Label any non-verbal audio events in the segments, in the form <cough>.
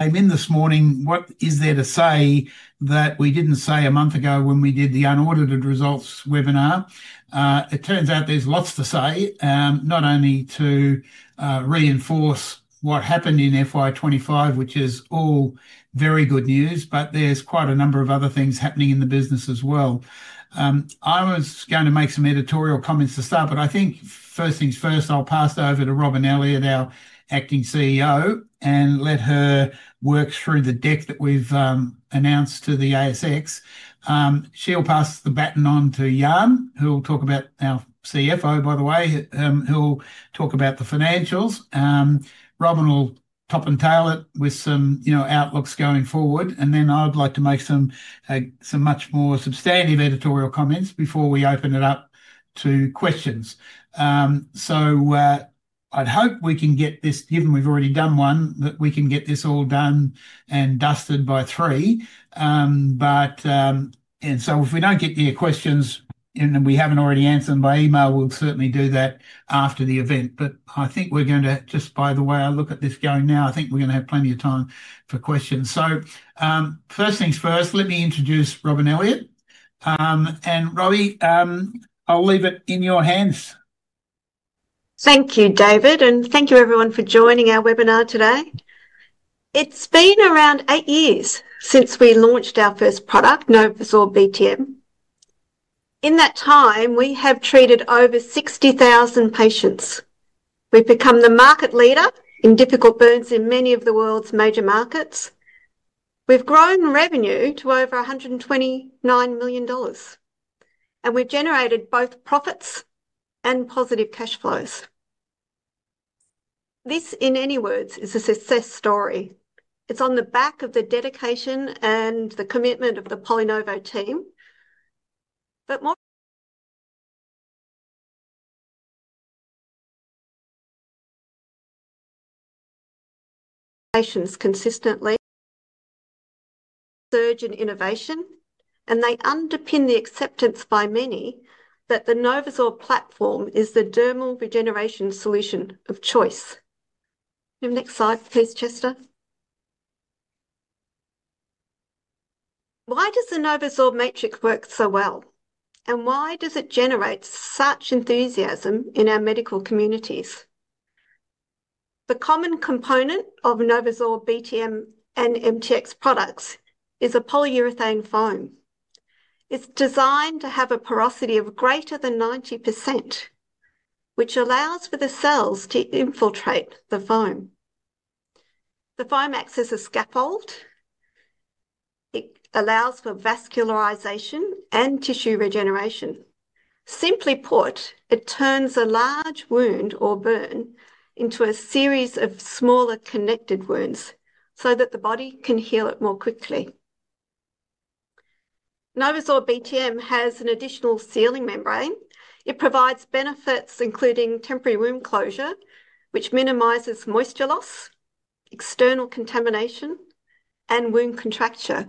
I'm in this morning. What is there to say that we didn't say a month ago when we did the unaudited results webinar? It turns out there's lots to say, not only to reinforce what happened in FY 2025, which is all very good news, but there's quite a number of other things happening in the business as well. I was going to make some editorial comments to start, but I think first things first, I'll pass it over to Robyn Elliott, our Acting CEO, and let her work through the deck that we've announced to the ASX. She'll pass the baton on to Jan, our CFO, by the way, who'll talk about the financials. Robyn will top and tail it with some outlooks going forward. I'd like to make some much more substantive editorial comments before we open it up to questions. I'd hope we can get this, given we've already done one, that we can get this all done and dusted by 3:00 P.M. If we don't get your questions and we haven't already answered them by email, we'll certainly do that after the event. I think we're going to, just by the way I look at this going now, I think we're going to have plenty of time for questions. First things first, let me introduce Robyn Elliott. Robyn, I'll leave it in your hands. Thank you, David, and thank you everyone for joining our webinar today. It's been around eight years since we launched our first product, NovoSorb BTM. In that time, we have treated over 60,000 patients. We've become the market leader in difficult burns in many of the world's major markets. We've grown revenue to over $129 million, and we've generated both profits and positive cash flows. This, in many words, is a success story. It's on the back of the dedication and the commitment of the PolyNovo team. <audio distortion> patients consistently <audio distortion> surge in innovation, and they underpin the acceptance by many that the NovoSorb platform is the dermal regeneration solution of choice. Next slide, please, Chester. Why does the NovoSorb matrix work so well? Why does it generate such enthusiasm in our medical communities? The common component of NovoSorb BTM and MTX products is a polyurethane foam. It's designed to have a porosity of greater than 90%, which allows for the cells to infiltrate the foam. The foam acts as a scaffold. It allows for vascularization and tissue regeneration. Simply put, it turns a large wound or burn into a series of smaller connected wounds so that the body can heal it more quickly. NovoSorb BTM has an additional sealing membrane. It provides benefits including temporary wound closure, which minimizes moisture loss, external contamination, and wound contracture.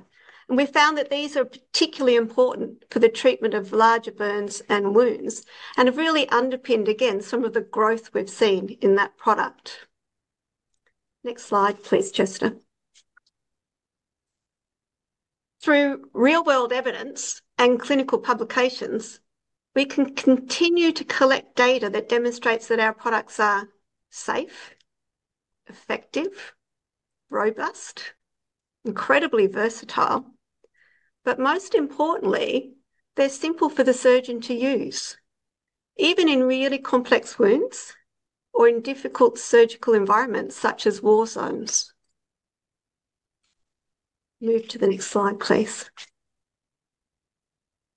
We found that these are particularly important for the treatment of larger burns and wounds and have really underpinned, again, some of the growth we've seen in that product. Next slide, please, Chester. Through real-world evidence and clinical publications, we can continue to collect data that demonstrates that our products are safe, effective, robust, and incredibly versatile. Most importantly, they're simple for the surgeon to use, even in really complex wounds or in difficult surgical environments such as war zones. Move to the next slide, please.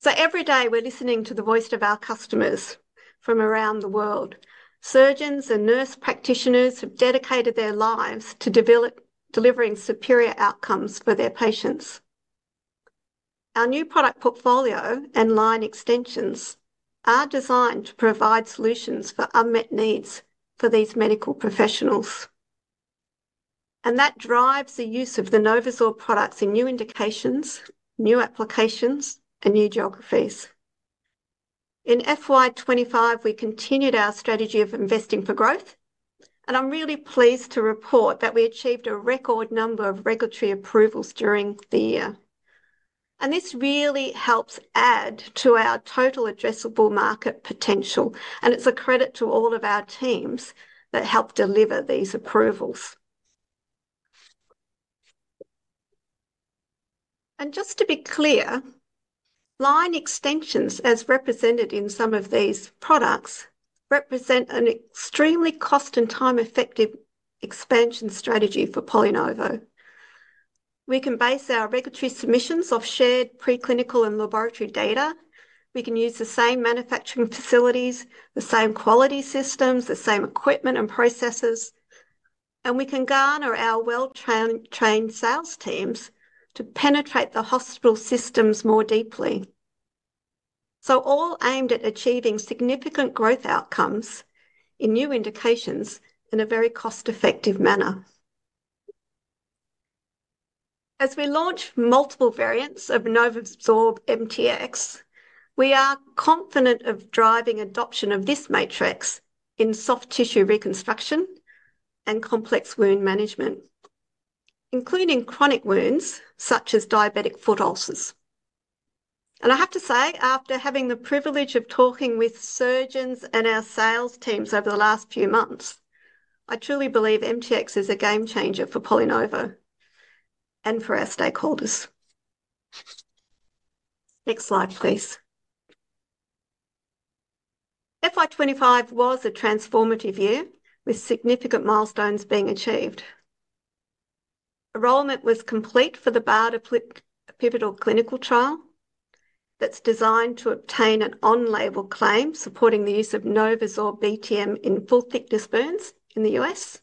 Every day we're listening to the voice of our customers from around the world. Surgeons and nurse practitioners have dedicated their lives to developing superior outcomes for their patients. Our new product portfolio and line extensions are designed to provide solutions for unmet needs for these medical professionals. That drives the use of the NovoSorb products in new indications, new applications, and new geographies. In FY 2025, we continued our strategy of investing for growth. I am really pleased to report that we achieved a record number of regulatory approvals during the year. This really helps add to our total addressable market potential. It is a credit to all of our teams that help deliver these approvals. Just to be clear, line extensions, as represented in some of these products, represent an extremely cost-and-time-effective expansion strategy for PolyNovo. We can base our regulatory submissions off shared preclinical and laboratory data. We can use the same manufacturing facilities, the same quality systems, the same equipment and processes. We can garner our well-trained sales teams to penetrate the hospital systems more deeply, all aimed at achieving significant growth outcomes in new indications in a very cost-effective manner. As we launch multiple variants of NovoSorb MTX, we are confident of driving adoption of this matrix in soft tissue reconstruction and complex wound management, including chronic wounds such as diabetic foot ulcers. I have to say, after having the privilege of talking with surgeons and our sales teams over the last few months, I truly believe MTX is a game changer for PolyNovo and for our stakeholders. Next slide, please. FY 2025 was a transformative year with significant milestones being achieved. Enrollment was complete for the BARDA epipital clinical trial that is designed to obtain an on-label claim supporting the use of NovoSorb BTM in full-thickness burns in the U.S.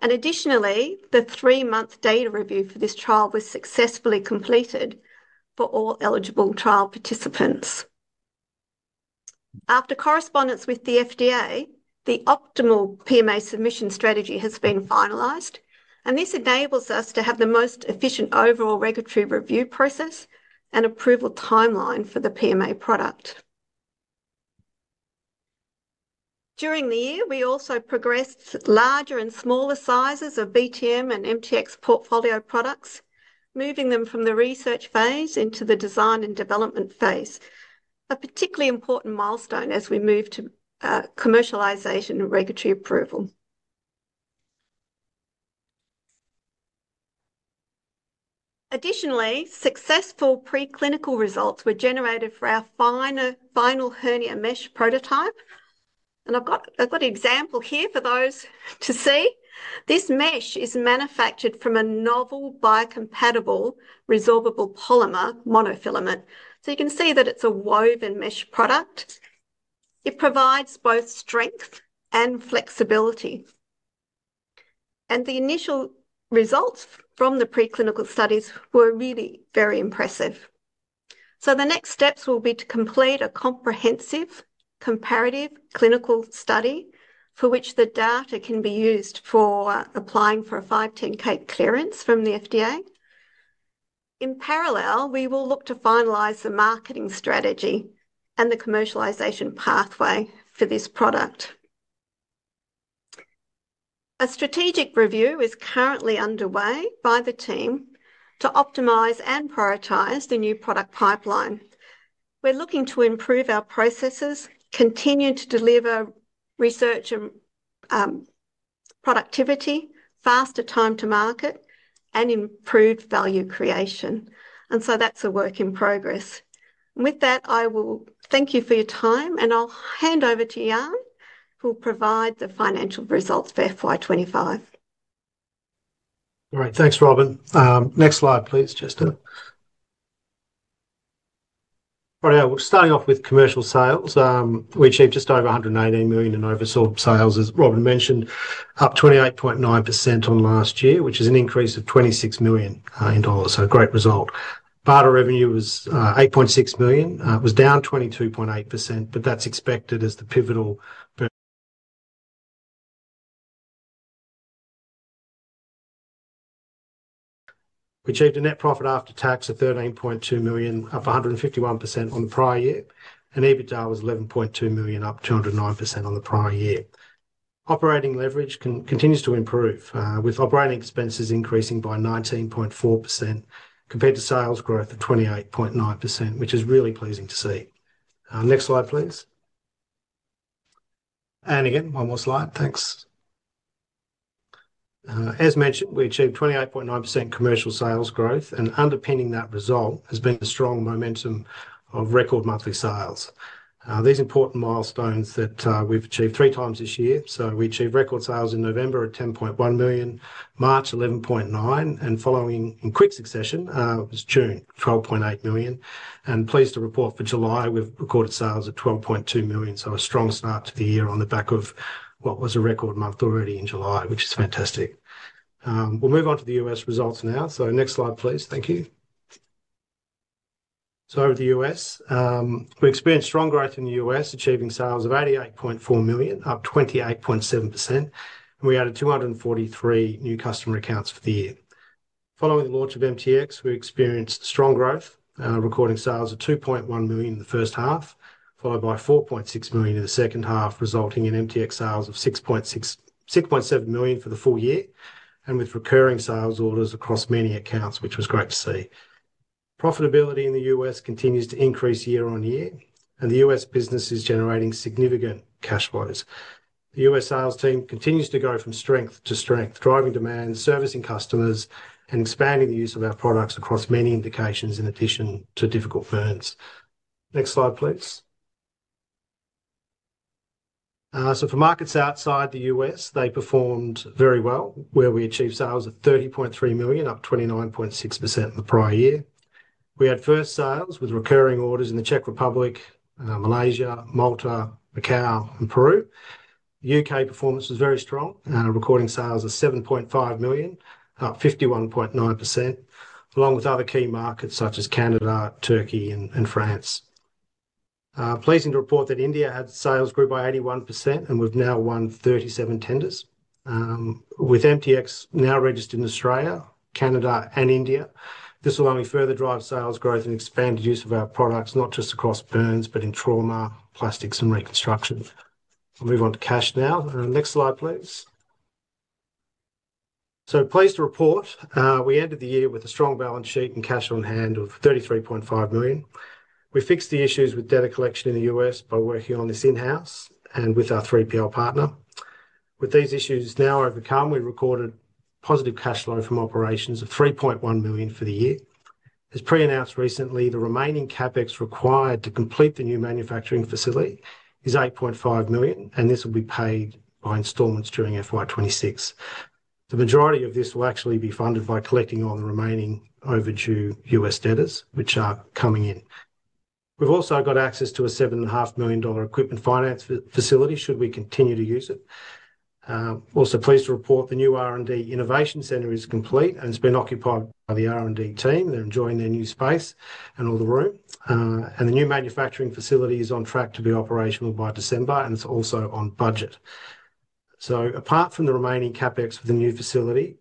Additionally, the three-month data review for this trial was successfully completed for all eligible trial participants. After correspondence with the FDA, the optimal PMA submission strategy has been finalized, and this enables us to have the most efficient overall regulatory review process and approval timeline for the PMA product. During the year, we also progressed larger and smaller sizes of BTM and MTX portfolio products, moving them from the research phase into the design and development phase, a particularly important milestone as we move to commercialization and regulatory approval. Additionally, successful preclinical results were generated for our final hernia mesh prototype. I have got an example here for those to see. This mesh is manufactured from a novel biocompatible resorbable polymer monofilament. You can see that it is a woven mesh product. It provides both strength and flexibility, and the initial results from the preclinical studies were really very impressive. The next steps will be to complete a comprehensive comparative clinical study for which the data can be used for applying for a 510(k) clearance from the FDA. In parallel, we will look to finalize the marketing strategy and the commercialization pathway for this product. A strategic review is currently underway by the team to optimize and prioritize the new product pipeline. We're looking to improve our processes, continue to deliver research and productivity, faster time to market, and improve value creation. That's a work in progress. With that, I will thank you for your time, and I'll hand over to Jan, who will provide the financial results for FY 2025. All right. Thanks, Robyn. Next slide, please, Chester. All right. Starting off with commercial sales, we achieved just over $180 million in NovoSorb sales, as Robyn mentioned, up 28.9% on last year, which is an increase of $26 million in dollars. A great result. BARDA revenue was $8.6 million. It was down 22.8%, but that's expected as the pivotal. <audio distortion> We achieved a net profit after tax of $13.2 million, up 151% on the prior year. EBITDA was $11.2 million, up 209% on the prior year. Operating leverage continues to improve, with operating expenses increasing by 19.4% compared to sales growth of 28.9%, which is really pleasing to see. Next slide, please. One more slide. Thanks. As mentioned, we achieved 28.9% commercial sales growth, and underpinning that result has been the strong momentum of record monthly sales. These are important milestones that we've achieved three times this year. We achieved record sales in November at $10.1 million, March $11.9 million, and following in quick succession was June $12.8 million. Pleased to report for July, we've recorded sales at $12.2 million. A strong start to the year on the back of what was a record month already in July, which is fantastic. We'll move on to the U.S. results now. Next slide, please. Thank you. Over the U.S., we experienced strong growth in the U.S., achieving sales of $88.4 million, up 28.7%. We added 243 new customer accounts for the year. Following the launch of MTX, we experienced strong growth, recording sales of $2.1 million in the first half, followed by $4.6 million in the second half, resulting in MTX sales of $6.7 million for the full year, with recurring sales orders across many accounts, which was great to see. Profitability in the U.S. continues to increase year on year, and the U.S. business is generating significant cash flows. The U.S. sales team continues to go from strength to strength, driving demand, servicing customers, and expanding the use of our products across many indications in addition to difficult burns. Next slide, please. For markets outside the U.S., they performed very well, where we achieved sales of $30.3 million, up 29.6% in the prior year. We had first sales with recurring orders in the Czech Republic, Malaysia, Malta, Macau, and Peru. The U.K. performance was very strong, recording sales of $7.5 million, up 51.9%, along with other key markets such as Canada, Turkey, and France. Pleasing to report that India had sales grew by 81%, and we've now [won 37] tenders, with MTX now registered in Australia, Canada, and India. This will only further drive sales growth and expand the use of our products, not just across burns, but in trauma, plastics, and reconstruction. I'll move on to cash now. Next slide, please. Pleased to report, we ended the year with a strong balance sheet and cash on hand of $33.5 million. We fixed the issues with data collection in the U.S. by working on this in-house and with our 3PL partner. With these issues now overcome, we recorded positive cash flow from operations of $3.1 million for the year. As pre-announced recently, the remaining CapEx required to complete the new manufacturing facility is $8.5 million, and this will be paid by installments during FY 2026. The majority of this will actually be funded by collecting all the remaining overdue U.S. debtors, which are coming in. We've also got access to a $7.5 million equipment finance facility should we continue to use it. Also, pleased to report the new R&D innovation center is complete and has been occupied by the R&D team. They're enjoying their new space and all the room. The new manufacturing facility is on track to be operational by December, and it's also on budget. Apart from the remaining CapEx for the new facility,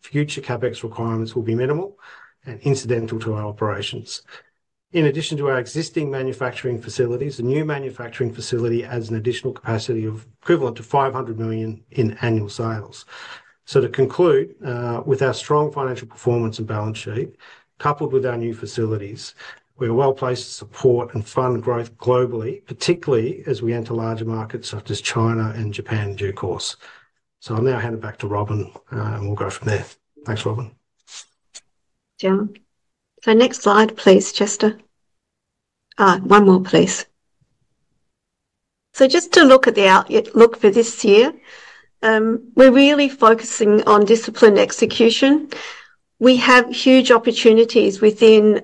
future CapEx requirements will be minimal and incidental to our operations. In addition to our existing manufacturing facilities, the new manufacturing facility adds an additional capacity of equivalent to $500 million in annual sales. To conclude, with our strong financial performance and balance sheet, coupled with our new facilities, we are well placed to support and fund growth globally, particularly as we enter larger markets such as China and Japan in due course. I'll now hand it back to Robyn, and we'll go from there. Thanks, Robyn. Jan. Next slide, please, Chester. One more, please. Just to look at the outlook for this year, we're really focusing on disciplined execution. We have huge opportunities within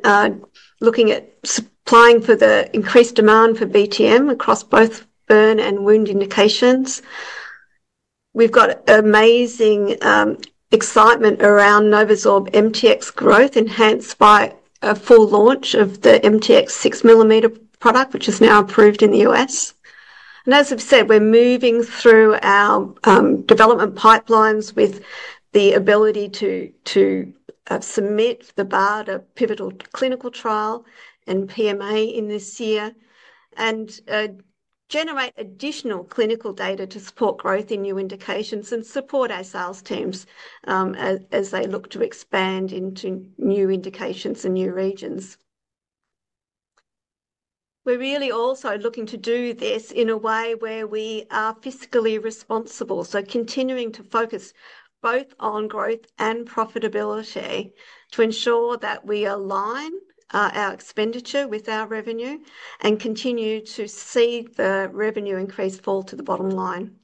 looking at supplying for the increased demand for BTM across both burn and wound indications. We've got amazing excitement around NovoSorb MTX growth, enhanced by a full launch of the MTX 6 mm product, which is now approved in the U.S. As I've said, we're moving through our development pipelines with the ability to submit the BARDA epithelial clinical trial and PMA this year and generate additional clinical data to support growth in new indications and support our sales teams as they look to expand into new indications and new regions. We're also looking to do this in a way where we are fiscally responsible, so continuing to focus both on growth and profitability to ensure that we align our expenditure with our revenue and continue to see the revenue increase fall to the bottom line.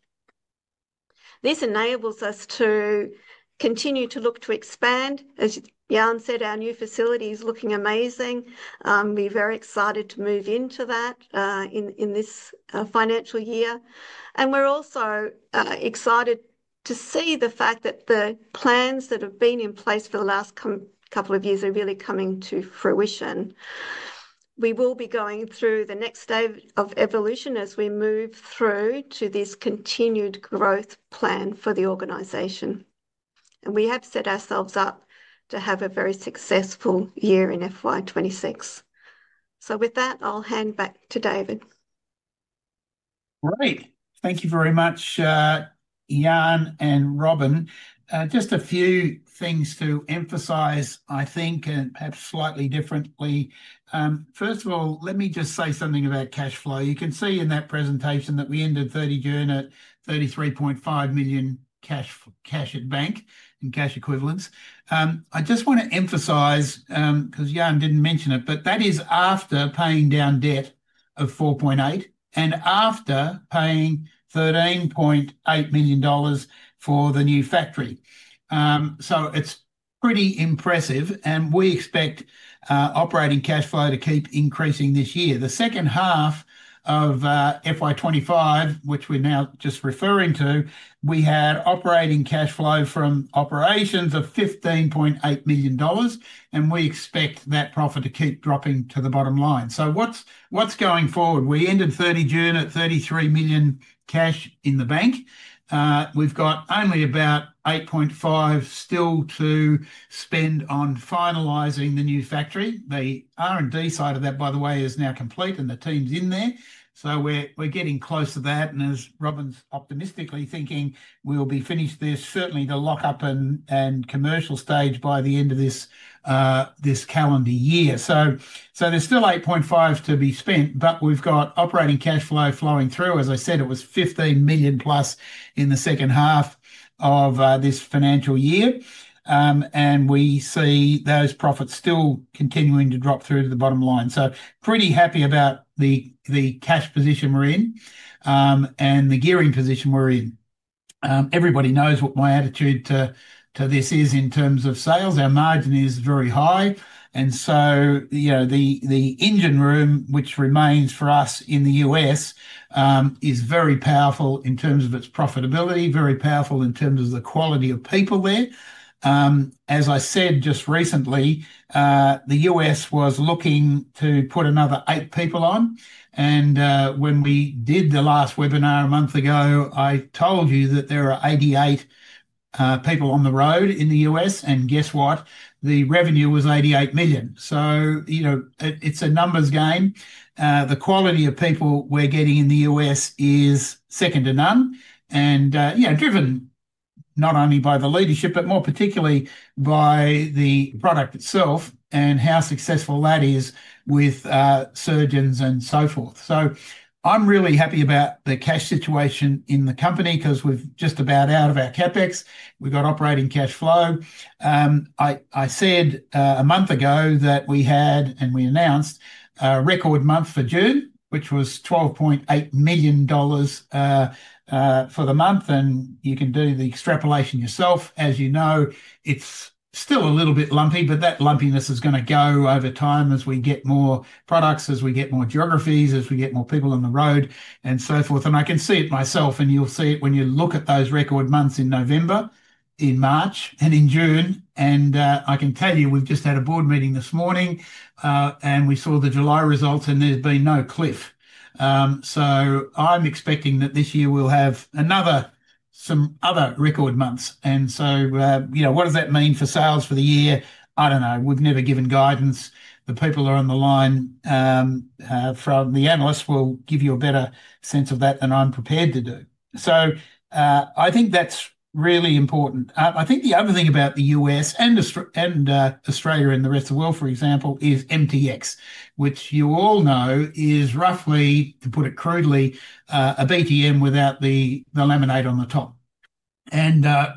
This enables us to continue to look to expand. As Jan said, our new facility is looking amazing. We're very excited to move into that in this financial year. We're also excited to see the fact that the plans that have been in place for the last couple of years are really coming to fruition. We will be going through the next stage of evolution as we move through to this continued growth plan for the organization. We have set ourselves up to have a very successful year in FY 2026. With that, I'll hand back to David. All right. Thank you very much, Jan and Robyn. Just a few things to emphasize, I think, and perhaps slightly differently. First of all, let me just say something about cash flow. You can see in that presentation that we ended 30 June at $33.5 million cash at bank and cash equivalents. I just want to emphasize, because Jan didn't mention it, but that is after paying down debt of $4.8 million and after paying $13.8 million for the new factory. It's pretty impressive, and we expect operating cash flow to keep increasing this year. The second half of FY 2025, which we're now just referring to, we had operating cash flow from operations of $15.8 million, and we expect that profit to keep dropping to the bottom line. What's going forward? We ended 30 June at $33 million cash in the bank. We've got only about $8.5 million still to spend on finalizing the new factory. The R&D side of that, by the way, is now complete, and the team's in there. We're getting close to that. As Robyn's optimistically thinking, we'll be finished this, certainly the lockup and commercial stage by the end of this calendar year. There's still $8.5 million to be spent, but we've got operating cash flow flowing through. As I said, it was $15+ million in the second half of this financial year. We see those profits still continuing to drop through to the bottom line. Pretty happy about the cash position we're in and the gearing position we're in. Everybody knows what my attitude to this is in terms of sales. Our margin is very high. The engine room, which remains for us in the U.S., is very powerful in terms of its profitability, very powerful in terms of the quality of people there. As I said just recently, the U.S. was looking to put another eight people on. When we did the last webinar a month ago, I told you that there are 88 people on the road in the U.S. Guess what? The revenue was $88 million. It's a numbers game. The quality of people we're getting in the U.S. is second to none, driven not only by the leadership, but more particularly by the product itself and how successful that is with surgeons and so forth. I'm really happy about the cash situation in the company because we're just about out of our CapEx. We've got operating cash flow. I said a month ago that we had, and we announced, a record month for June, which was $12.8 million for the month. You can do the extrapolation yourself. As you know, it's still a little bit lumpy, but that lumpiness is going to go over time as we get more products, as we get more geographies, as we get more people on the road, and so forth. I can see it myself, and you'll see it when you look at those record months in November, in March, and in June. I can tell you, we've just had a board meeting this morning, and we saw the July results, and there's been no cliff. I'm expecting that this year we'll have another, some other record months. You know, what does that mean for sales for the year? I don't know. We've never given guidance. The people on the line, from the analysts, will give you a better sense of that than I'm prepared to do. I think that's really important. I think the other thing about the U.S. and Australia and the rest of the world, for example, is MTX, which you all know is roughly, to put it crudely, a BTM without the lemonade on the top.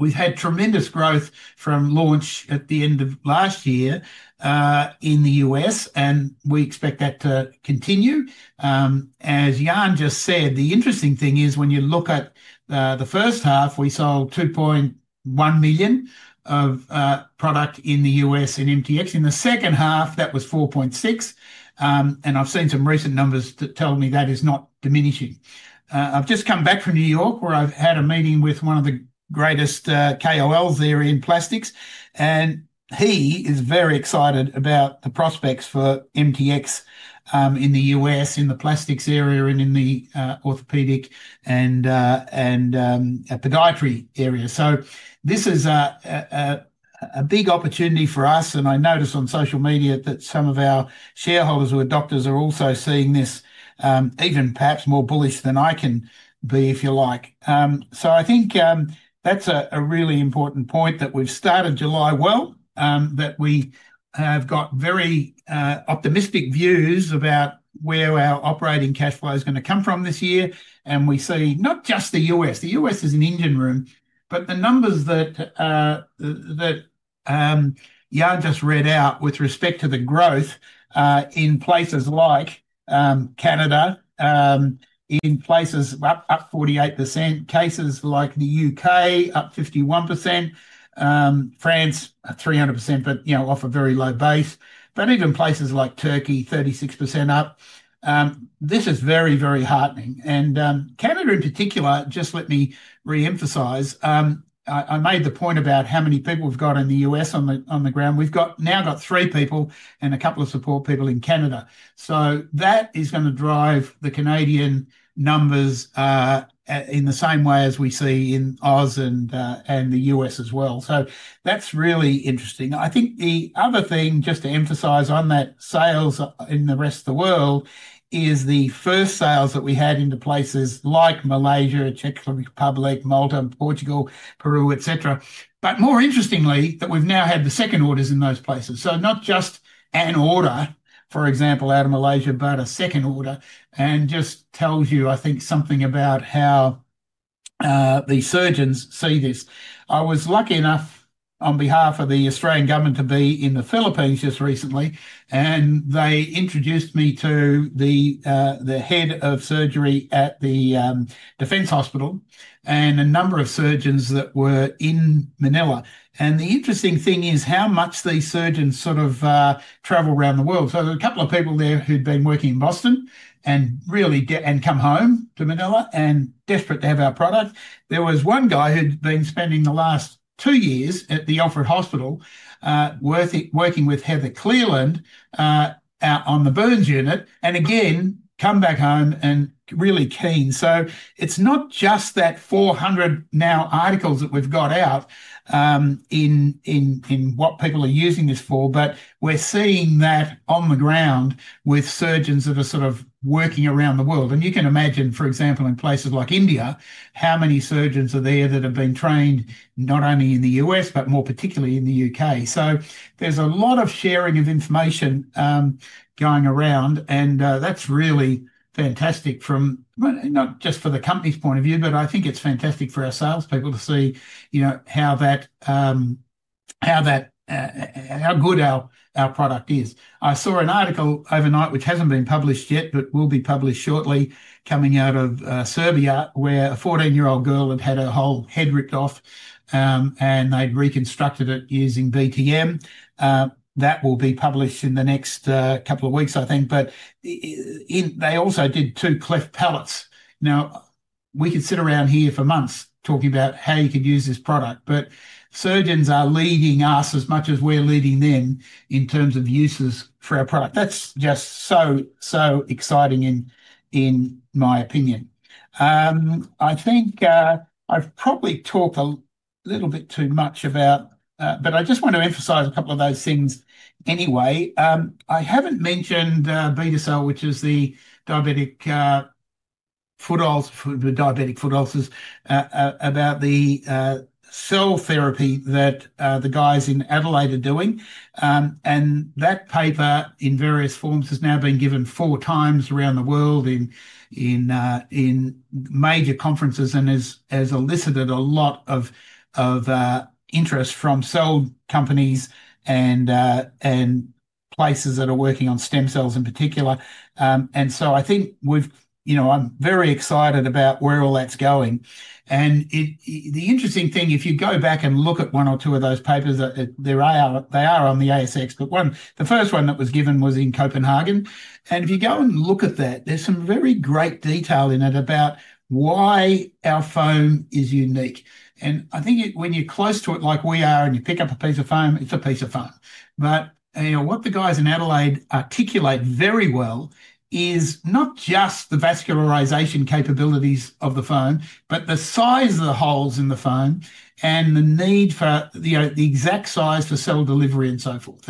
We've had tremendous growth from launch at the end of last year in the U.S., and we expect that to continue. As Jan just said, the interesting thing is when you look at the first half, we sold $2.1 million of product in the U.S. in MTX. In the second half, that was $4.6 million. I've seen some recent numbers that tell me that is not diminishing. I've just come back from New York where I've had a meeting with one of the greatest KOLs there in plastics, and he is very excited about the prospects for MTX in the U.S., in the plastics area, and in the orthopedic and the podiatry area. This is a big opportunity for us. I noticed on social media that some of our shareholders who are doctors are also seeing this, even perhaps more bullish than I can be, if you like. I think that's a really important point that we've started July well, that we have got very optimistic views about where our operating cash flow is going to come from this year. We see not just the U.S. The U.S. is an engine room, but the numbers that Jan just read out with respect to the growth in places like Canada, in places up 48%, cases like the U.K. up 51%, France 300%, but you know, off a very low base, but even places like Turkey 36% up. This is very, very heartening. Canada in particular, just let me reemphasize, I made the point about how many people we've got in the U.S. on the ground. We've got now about three people and a couple of support people in Canada. That is going to drive the Canadian numbers in the same way as we see in ours and the U.S. as well. That's really interesting. I think the other thing, just to emphasize on that, sales in the rest of the world is the first sales that we had into places like Malaysia, Czech Republic, Malta, Portugal, Peru, etc. More interestingly, we've now had the second orders in those places. Not just an order, for example, out of Malaysia, but a second order. It just tells you, I think, something about how the surgeons see this. I was lucky enough on behalf of the Australian government to be in the Philippines just recently, and they introduced me to the Head of Surgery at the defense hospital and a number of surgeons that were in Manila. The interesting thing is how much these surgeons sort of travel around the world. There were a couple of people there who'd been working in Boston and really come home to Manila and desperate to have our product. There was one guy who'd been spending the last two years at the Alfred Hospital working with Heather Cleland out on the burns unit and again come back home and really keen. It's not just that 400 now articles that we've got out in what people are using this for, but we're seeing that on the ground with surgeons that are sort of working around the world. You can imagine, for example, in places like India, how many surgeons are there that have been trained not only in the U.S., but more particularly in the U.K. There's a lot of sharing of information going around, and that's really fantastic not just from the company's point of view, but I think it's fantastic for our salespeople to see how good our product is. I saw an article overnight, which hasn't been published yet, but will be published shortly, coming out of Serbia, where a 14-year-old girl had had her whole head ripped off, and they'd reconstructed it using BTM. That will be published in the next couple of weeks, I think. They also did two cleft palates. We could sit around here for months talking about how you could use this product, but surgeons are leading us as much as we're leading them in terms of uses for our product. That's just so, so exciting in my opinion. I think I've probably talked a little bit too much, but I just want to emphasize a couple of those things anyway. I haven't mentioned beta cell, which is the diabetic foot ulcers, about the cell therapy that the guys in Adelaide are doing. That paper in various forms has now been given four times around the world in major conferences and has elicited a lot of interest from cell companies and places that are working on stem cells in particular. I think we've, you know, I'm very excited about where all that's going. The interesting thing, if you go back and look at one or two of those papers, they are on the ASX, but one, the first one that was given was in Copenhagen. If you go and look at that, there's some very great detail in it about why our foam is unique. I think when you're close to it like we are and you pick up a piece of foam, it's a piece of foam. What the guys in Adelaide articulate very well is not just the vascularization capabilities of the foam, but the size of the holes in the foam and the need for the exact size for cell delivery and so forth.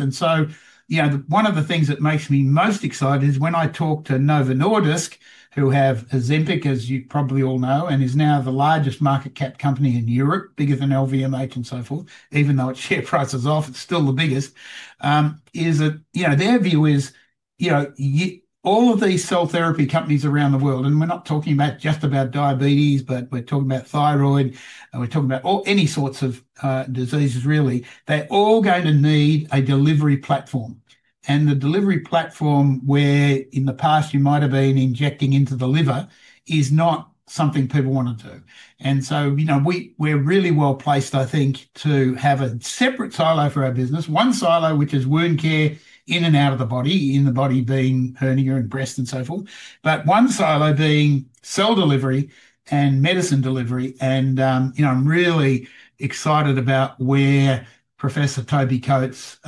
One of the things that makes me most excited is when I talk to Novo Nordisk, who have Ozempic, as you probably all know, and is now the largest market cap company in Europe, bigger than LVMH and so forth, even though its share price is off, it's still the biggest, is that their view is all of these cell therapy companies around the world, and we're not talking about just about diabetes, but we're talking about thyroid, we're talking about all any sorts of diseases really, they're all going to need a delivery platform. The delivery platform where in the past you might have been injecting into the liver is not something people want to do. We're really well placed, I think, to have a separate silo for our business, one silo which is wound care in and out of the body, in the body being hernia and breast and so forth, but one silo being cell delivery and medicine delivery. I'm really excited about where Professor Toby Coates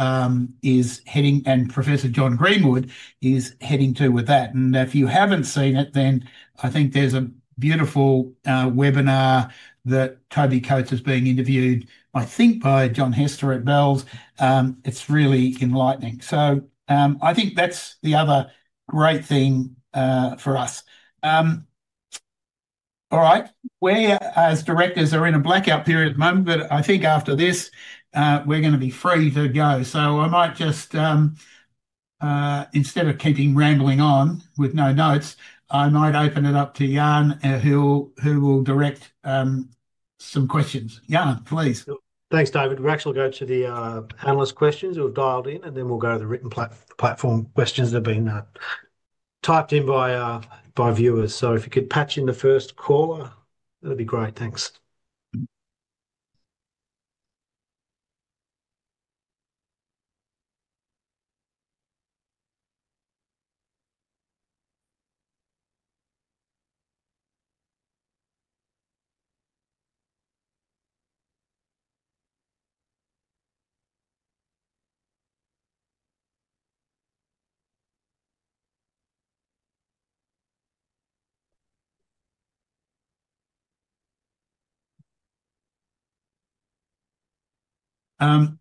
is heading and Professor John Greenwood is heading to with that. If you haven't seen it, then I think there's a beautiful webinar that Toby Coates has been interviewed, I think, by [John Hester at Bell's]. It's really enlightening. I think that's the other great thing for us. All right. We, as directors, are in a blackout period at the moment, but I think after this, we're going to be free to go. I might just, instead of keeping rambling on with no notes, open it up to Jan, who will direct some questions. Jan, please. Thanks, David. We'll actually go to the analyst questions. We'll dial it in, and then we'll go to the written platform questions that have been typed in by viewers. If you could patch in the first caller, that'd be great. Thanks.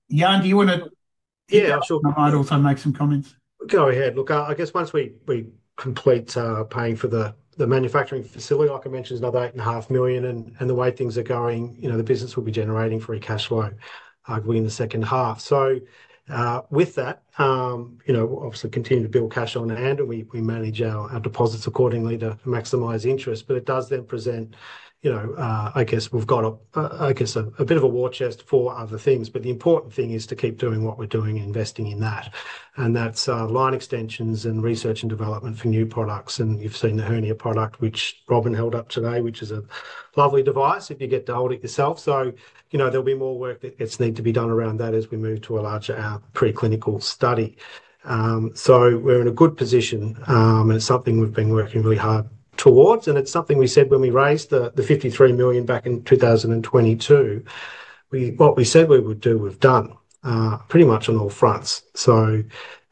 Jan, do you want to, I'm sure I might also make some comments. Go ahead. Look, I guess once we complete paying for the manufacturing facility, like I mentioned, another $8.5 million, and the way things are going, you know, the business will be generating free cash flow in the second half. With that, obviously continue to build cash on hand, and we manage our deposits accordingly to maximize interest. It does then present, you know, I guess we've got, I guess, a bit of a war chest for other things. The important thing is to keep doing what we're doing and investing in that. That's line extensions and research and development for new products. You've seen the hernia product, which Robyn held up today, which is a lovely device if you get to hold it yourself. There'll be more work that needs to be done around that as we move to a larger preclinical study. We're in a good position, and it's something we've been working really hard towards. It's something we said when we raised the $53 million back in 2022. What we said we would do, we've done pretty much on all fronts. It's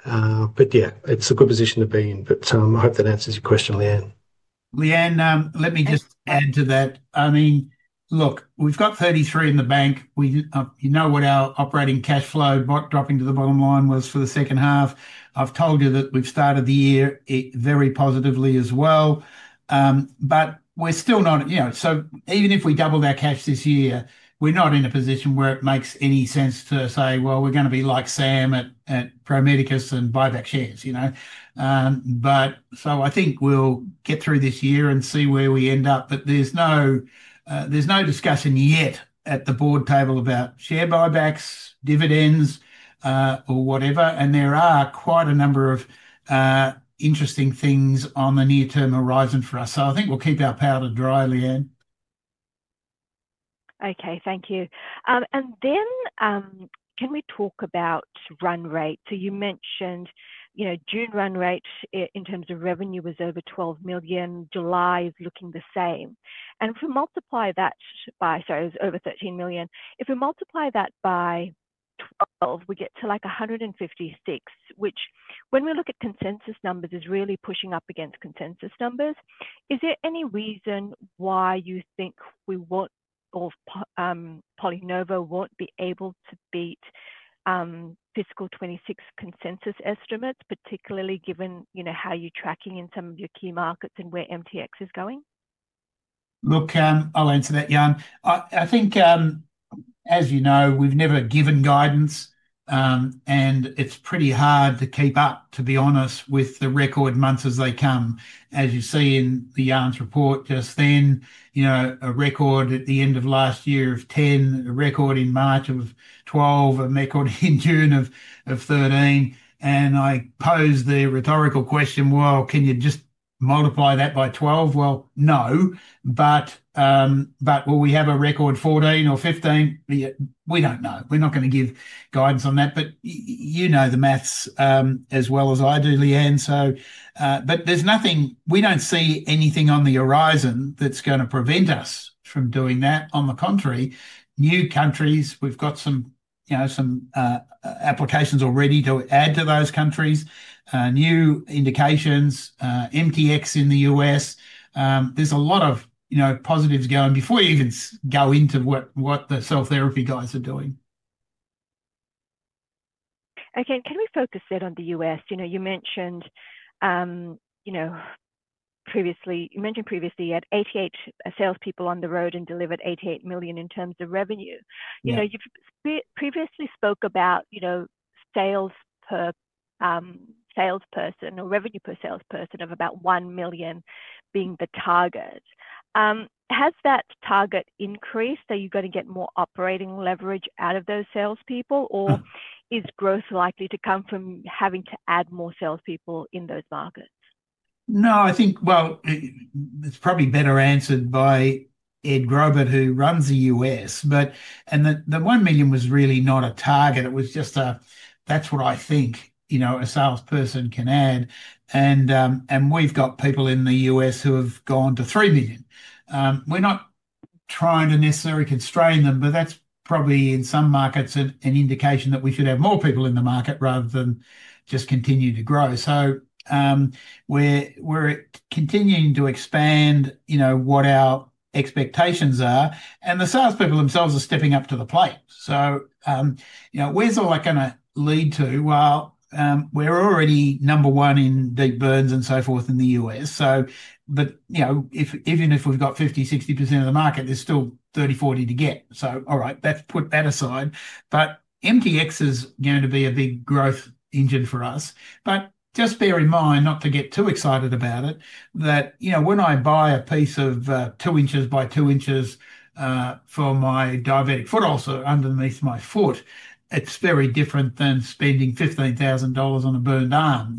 a good position to be in. I hope that answers your question, Leanne. Leanne, let me just add to that. I mean, look, we've got $33 million in the bank. You know what our operating cash flow dropping to the bottom line was for the second half. I've told you that we've started the year very positively as well. We're still not, you know, so even if we doubled our cash this year, we're not in a position where it makes any sense to say, we're going to be like Sam at Pro Medicus and buy back shares, you know. I think we'll get through this year and see where we end up. There's no discussion yet at the board table about share buybacks, dividends, or whatever. There are quite a number of interesting things on the near term horizon for us. I think we'll keep our powder dry, Leanne. Okay, thank you. Can we talk about run rate? You mentioned June run rate in terms of revenue was over $12 million. July is looking the same. If we multiply that by, it was over $13 million. If we multiply that by 12, we get to like $156 million, which, when we look at consensus numbers, is really pushing up against consensus numbers. Is there any reason why you think we won't, or PolyNovo won't, be able to beat fiscal 2026 consensus estimates, particularly given how you're tracking in some of your key markets and where MTX is going? Look, I'll answer that, Jan. I think, as you know, we've never given guidance, and it's pretty hard to keep up, to be honest, with the record months as they come. As you see in Jan's report just then, a record at the end of last year of 10, a record in March of 12, a record in June of 13. I posed the rhetorical question, can you just multiply that by 12? No. Will we have a record 14 or 15? We don't know. We're not going to give guidance on that. You know the maths as well as I do, Leanne. There's nothing, we don't see anything on the horizon that's going to prevent us from doing that. On the contrary, new countries, we've got some applications already to add to those countries, new indications, MTX in the U.S. There's a lot of positives going before you even go into what the cell therapy guys are doing. Okay. Can we focus in on the U.S.? You mentioned previously you had 88 salespeople on the road and delivered $88 million in terms of revenue. You've previously spoke about sales per salesperson or revenue per salesperson of about $1 million being the target. Has that target increased? Are you going to get more operating leverage out of those salespeople, or is growth likely to come from having to add more salespeople in those markets? No, I think it's probably better answered by Ed Graubart, who runs the U.S. The $1 million was really not a target. It was just a, that's what I think a salesperson can add. We've got people in the U.S. who have gone to $3 million. We're not trying to necessarily constrain them, but that's probably in some markets an indication that we should have more people in the market rather than just continue to grow. We're continuing to expand what our expectations are, and the salespeople themselves are stepping up to the plate. Where's all that going to lead to? We're already number one in deep burns and so forth in the U.S. Even if we've got 50%, 60% of the market, there's still 30%, 40% to get. Let's put that aside. MTX is going to be a big growth engine for us. Just bear in mind, not to get too excited about it, that when I buy a piece of two inches by two inches for my diabetic foot ulcer underneath my foot, it's very different than spending $15,000 on a burned arm.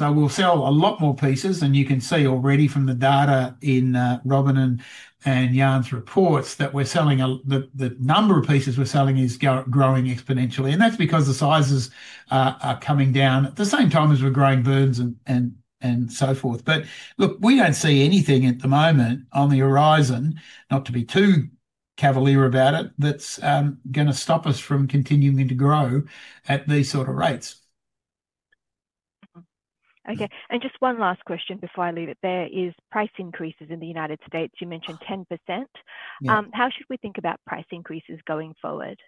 We'll sell a lot more pieces, and you can see already from the data in Robyn and Jan's reports that we're selling, the number of pieces we're selling is growing exponentially. That's because the sizes are coming down at the same time as we're growing burns and so forth. We don't see anything at the moment on the horizon, not to be too cavalier about it, that's going to stop us from continuing to grow at these sort of rates. Okay. Just one last question before I leave it there. Is price increases in the U.S., you mentioned 10%. How should we think about price increases going forward?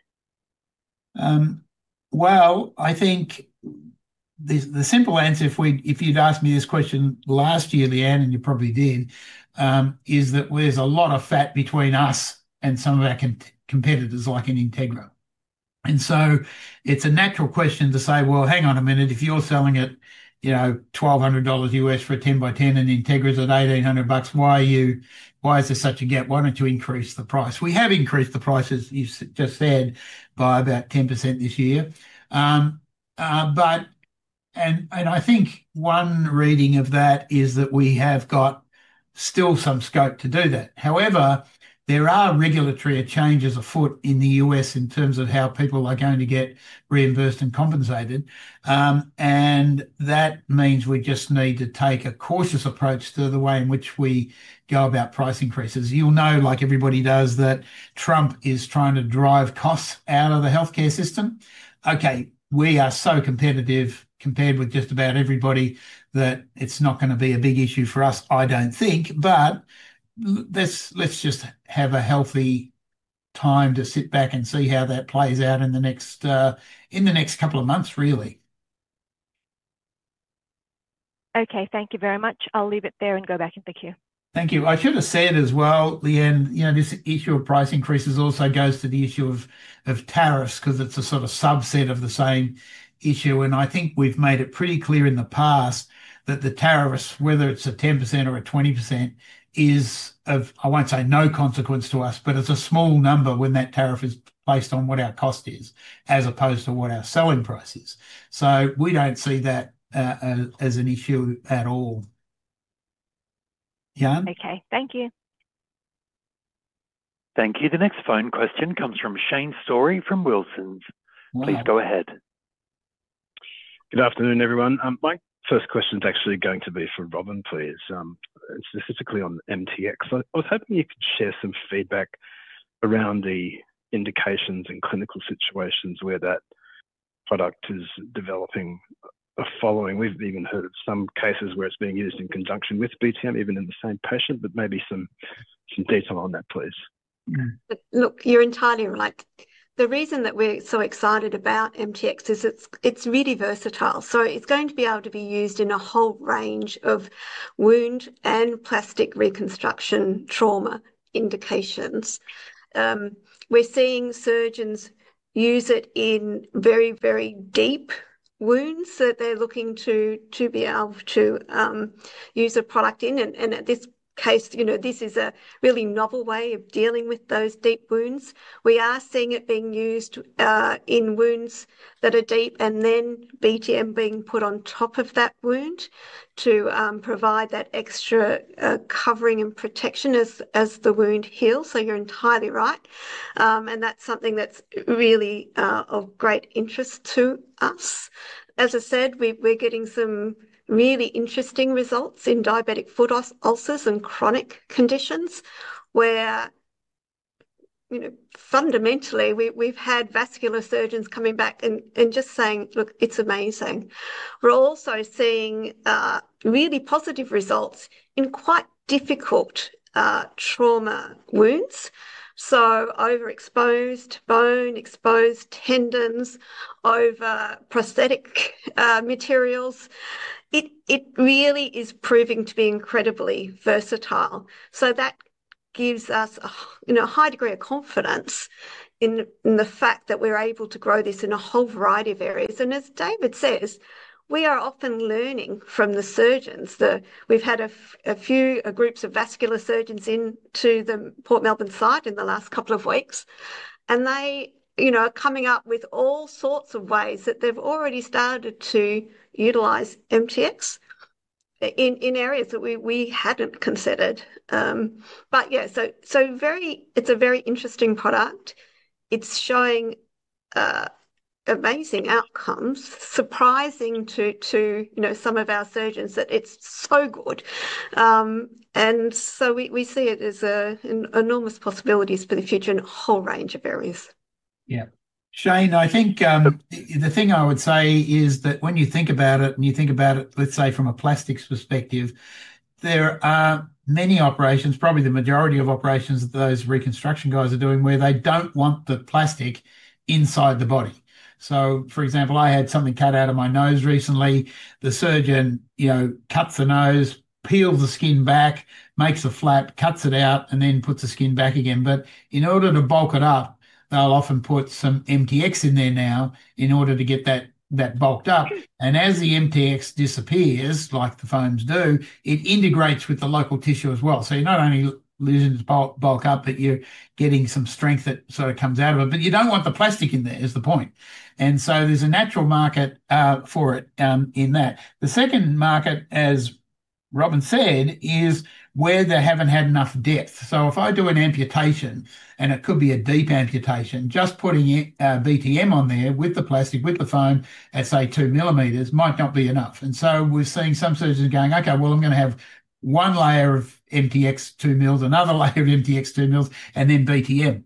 I think the simple answer, if you'd asked me this question last year, Leanne, and you probably did, is that there's a lot of fat between us and some of our competitors like INTEGRA. It's a natural question to say, hang on a minute, if you're selling at $1,200 for a 10x10 and INTEGRA's at $1,800, why is there such a gap? Why don't you increase the price? We have increased the price, as you just said, by about 10% this year. I think one reading of that is that we have still got some scope to do that. However, there are regulatory changes afoot in the U.S. in terms of how people are going to get reimbursed and compensated. That means we just need to take a cautious approach to the way in which we go about price increases. You'll know, like everybody does, that Trump is trying to drive costs out of the healthcare system. We are so competitive compared with just about everybody that it's not going to be a big issue for us, I don't think. Let's just have a healthy time to sit back and see how that plays out in the next couple of months, really. Okay. Thank you very much. I'll leave it there and go back. Thank you. Thank you. I should have said as well, Leanne, this issue of price increases also goes to the issue of tariffs because it's a sort of subset of the same issue. I think we've made it pretty clear in the past that the tariffs, whether it's a 10% or a 20%, is of, I won't say no consequence to us, but it's a small number when that tariff is placed on what our cost is as opposed to what our selling price is. We don't see that as an issue at all. Okay, thank you. Thank you. The next phone question comes from Shane Storey from Wilsons. Please go ahead. Good afternoon, everyone. My first question is actually going to be for Robyn, please, specifically on MTX. I was hoping you could share some feedback around the indications and clinical situations where that product is developing a following. We've even heard of some cases where it's being used in conjunction with BTM, even in the same patient, but maybe some detail on that, please. Look, you're entirely right. The reason that we're so excited about MTX is it's really versatile. It's going to be able to be used in a whole range of wound and plastic reconstruction trauma indications. We're seeing surgeons use it in very, very deep wounds that they're looking to be able to use a product in. At this case, this is a really novel way of dealing with those deep wounds. We are seeing it being used in wounds that are deep and BTM being put on top of that wound to provide that extra covering and protection as the wound heals. You're entirely right. That's something that's really of great interest to us. As I said, we're getting some really interesting results in diabetic foot ulcers and chronic conditions where, fundamentally, we've had vascular surgeons coming back and just saying, look, it's amazing. We're also seeing really positive results in quite difficult trauma wounds. Overexposed bone, exposed tendons, over prosthetic materials, it really is proving to be incredibly versatile. That gives us a high degree of confidence in the fact that we're able to grow this in a whole variety of areas. As David says, we are often learning from the surgeons. We've had a few groups of vascular surgeons into the Port Melbourne site in the last couple of weeks. They are coming up with all sorts of ways that they've already started to utilize MTX in areas that we hadn't considered. It's a very interesting product. It's showing amazing outcomes, surprising to some of our surgeons that it's so good. We see it as enormous possibilities for the future in a whole range of areas. Yeah. Shane, I think the thing I would say is that when you think about it and you think about it, let's say from a plastics perspective, there are many operations, probably the majority of operations that those reconstruction guys are doing where they don't want the plastic inside the body. For example, I had something cut out of my nose recently. The surgeon cuts the nose, peels the skin back, makes a flap, cuts it out, and then puts the skin back again. In order to bulk it up, they'll often put some MTX in there now in order to get that bulked up. As the MTX disappears, like the foams do, it integrates with the local tissue as well. You're not only losing the bulk up, but you're getting some strength that sort of comes out of it. You don't want the plastic in there, is the point. There's a natural market for it in that. The second market, as Robyn said, is where they haven't had enough depth. If I do an amputation, and it could be a deep amputation, just putting BTM on there with the plastic, with the foam, at, say, 2 mm might not be enough. We're seeing some surgeons going, okay, I'm going to have one layer of MTX, 2 mm, another layer of MTX, 2 mm, and then BTM.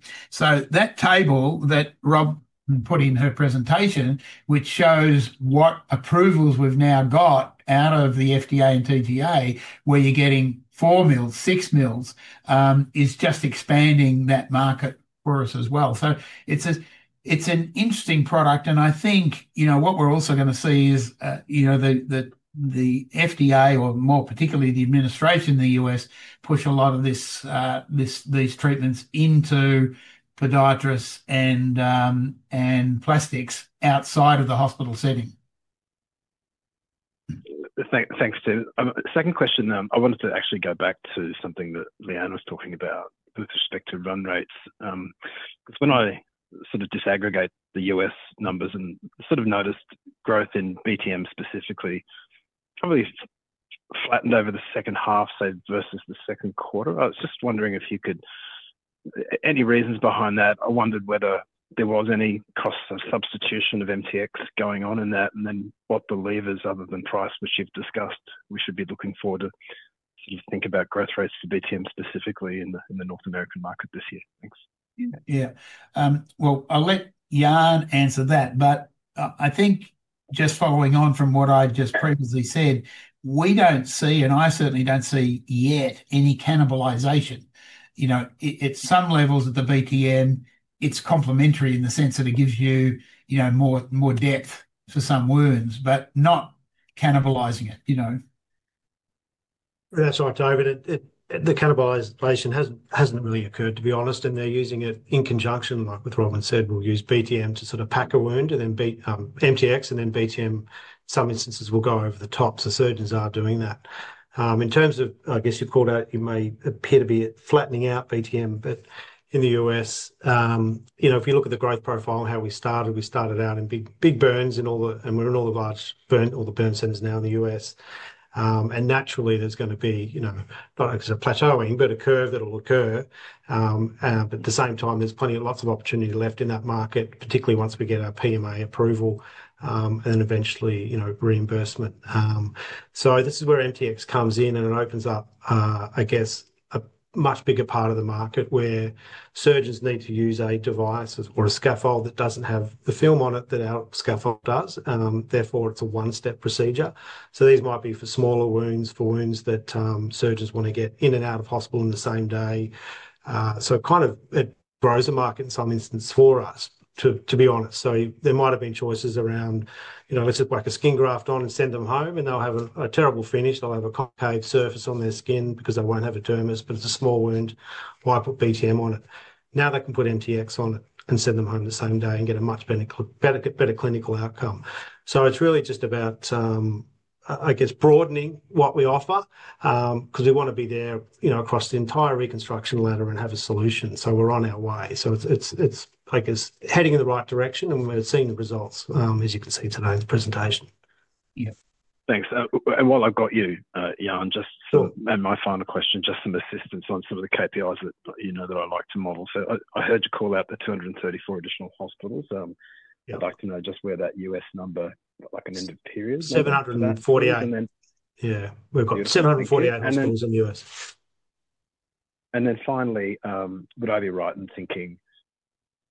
That table that Robyn put in her presentation, which shows what approvals we've now got out of the FDA and TGA, where you're getting 4 mm, 6 mm, is just expanding that market for us as well. It's an interesting product. I think what we're also going to see is the FDA, or more particularly the administration in the U.S., push a lot of these treatments into podiatrists and plastics outside of the hospital setting. Thanks, Tim. Second question, I wanted to actually go back to something that Leanne was talking about with respect to run rates. When I sort of disaggregate the U.S. numbers and sort of noticed growth in BTM specifically, probably flattened over the second half, say, versus the second quarter. I was just wondering if you could, any reasons behind that? I wondered whether there was any cost of substitution of MTX going on in that, and then what the levers, other than price, which you've discussed, we should be looking forward to think about growth rates for BTM specifically in the North American market this year. Thanks. I'll let Jan answer that. I think just following on from what I've just previously said, we don't see, and I certainly don't see yet, any cannibalization. At some levels of the BTM, it's complementary in the sense that it gives you more depth for some wounds, but not cannibalizing it. That's right, David. The cannibalization hasn't really occurred, to be honest, and they're using it in conjunction, like Robyn said, we'll use BTM to sort of pack a wound and then MTX, and BTM, in some instances, will go over the top. Surgeons are doing that. In terms of, I guess you've called out, you may appear to be flattening out BTM, but in the U.S., if you look at the growth profile and how we started, we started out in big burns and we're in all the large burn centers now in the U.S. Naturally, there's going to be, not a plateauing, but a curve that will occur. At the same time, there's plenty of opportunity left in that market, particularly once we get our PMA approval and eventually reimbursement. This is where MTX comes in and opens up a much bigger part of the market where surgeons need to use a device or a scaffold that doesn't have the film on it that our scaffold does. Therefore, it's a one-step procedure. These might be for smaller wounds, for wounds that surgeons want to get in and out of hospital in the same day. It grows a market in some instances for us, to be honest. There might have been choices around, let's just work a skin graft on and send them home, and they'll have a terrible finish. They'll have a concave surface on their skin because they won't have a dermis, but it's a small wound. Why put BTM on it? Now they can put MTX on it and send them home the same day and get a much better clinical outcome. It's really just about broadening what we offer because we want to be there across the entire reconstruction ladder and have a solution. We're on our way. It's heading in the right direction and we're seeing the results, as you can see today in the presentation. Thanks. While I've got you, Jan, just sort of my final question, just some assistance on some of the KPIs that I like to model. I heard you call out the 234 additional hospitals. I'd like to know just where that U.S. number, like an end of period. Yeah, we've got <crosstalk> 748 hospitals in the U.S. Would I be right in thinking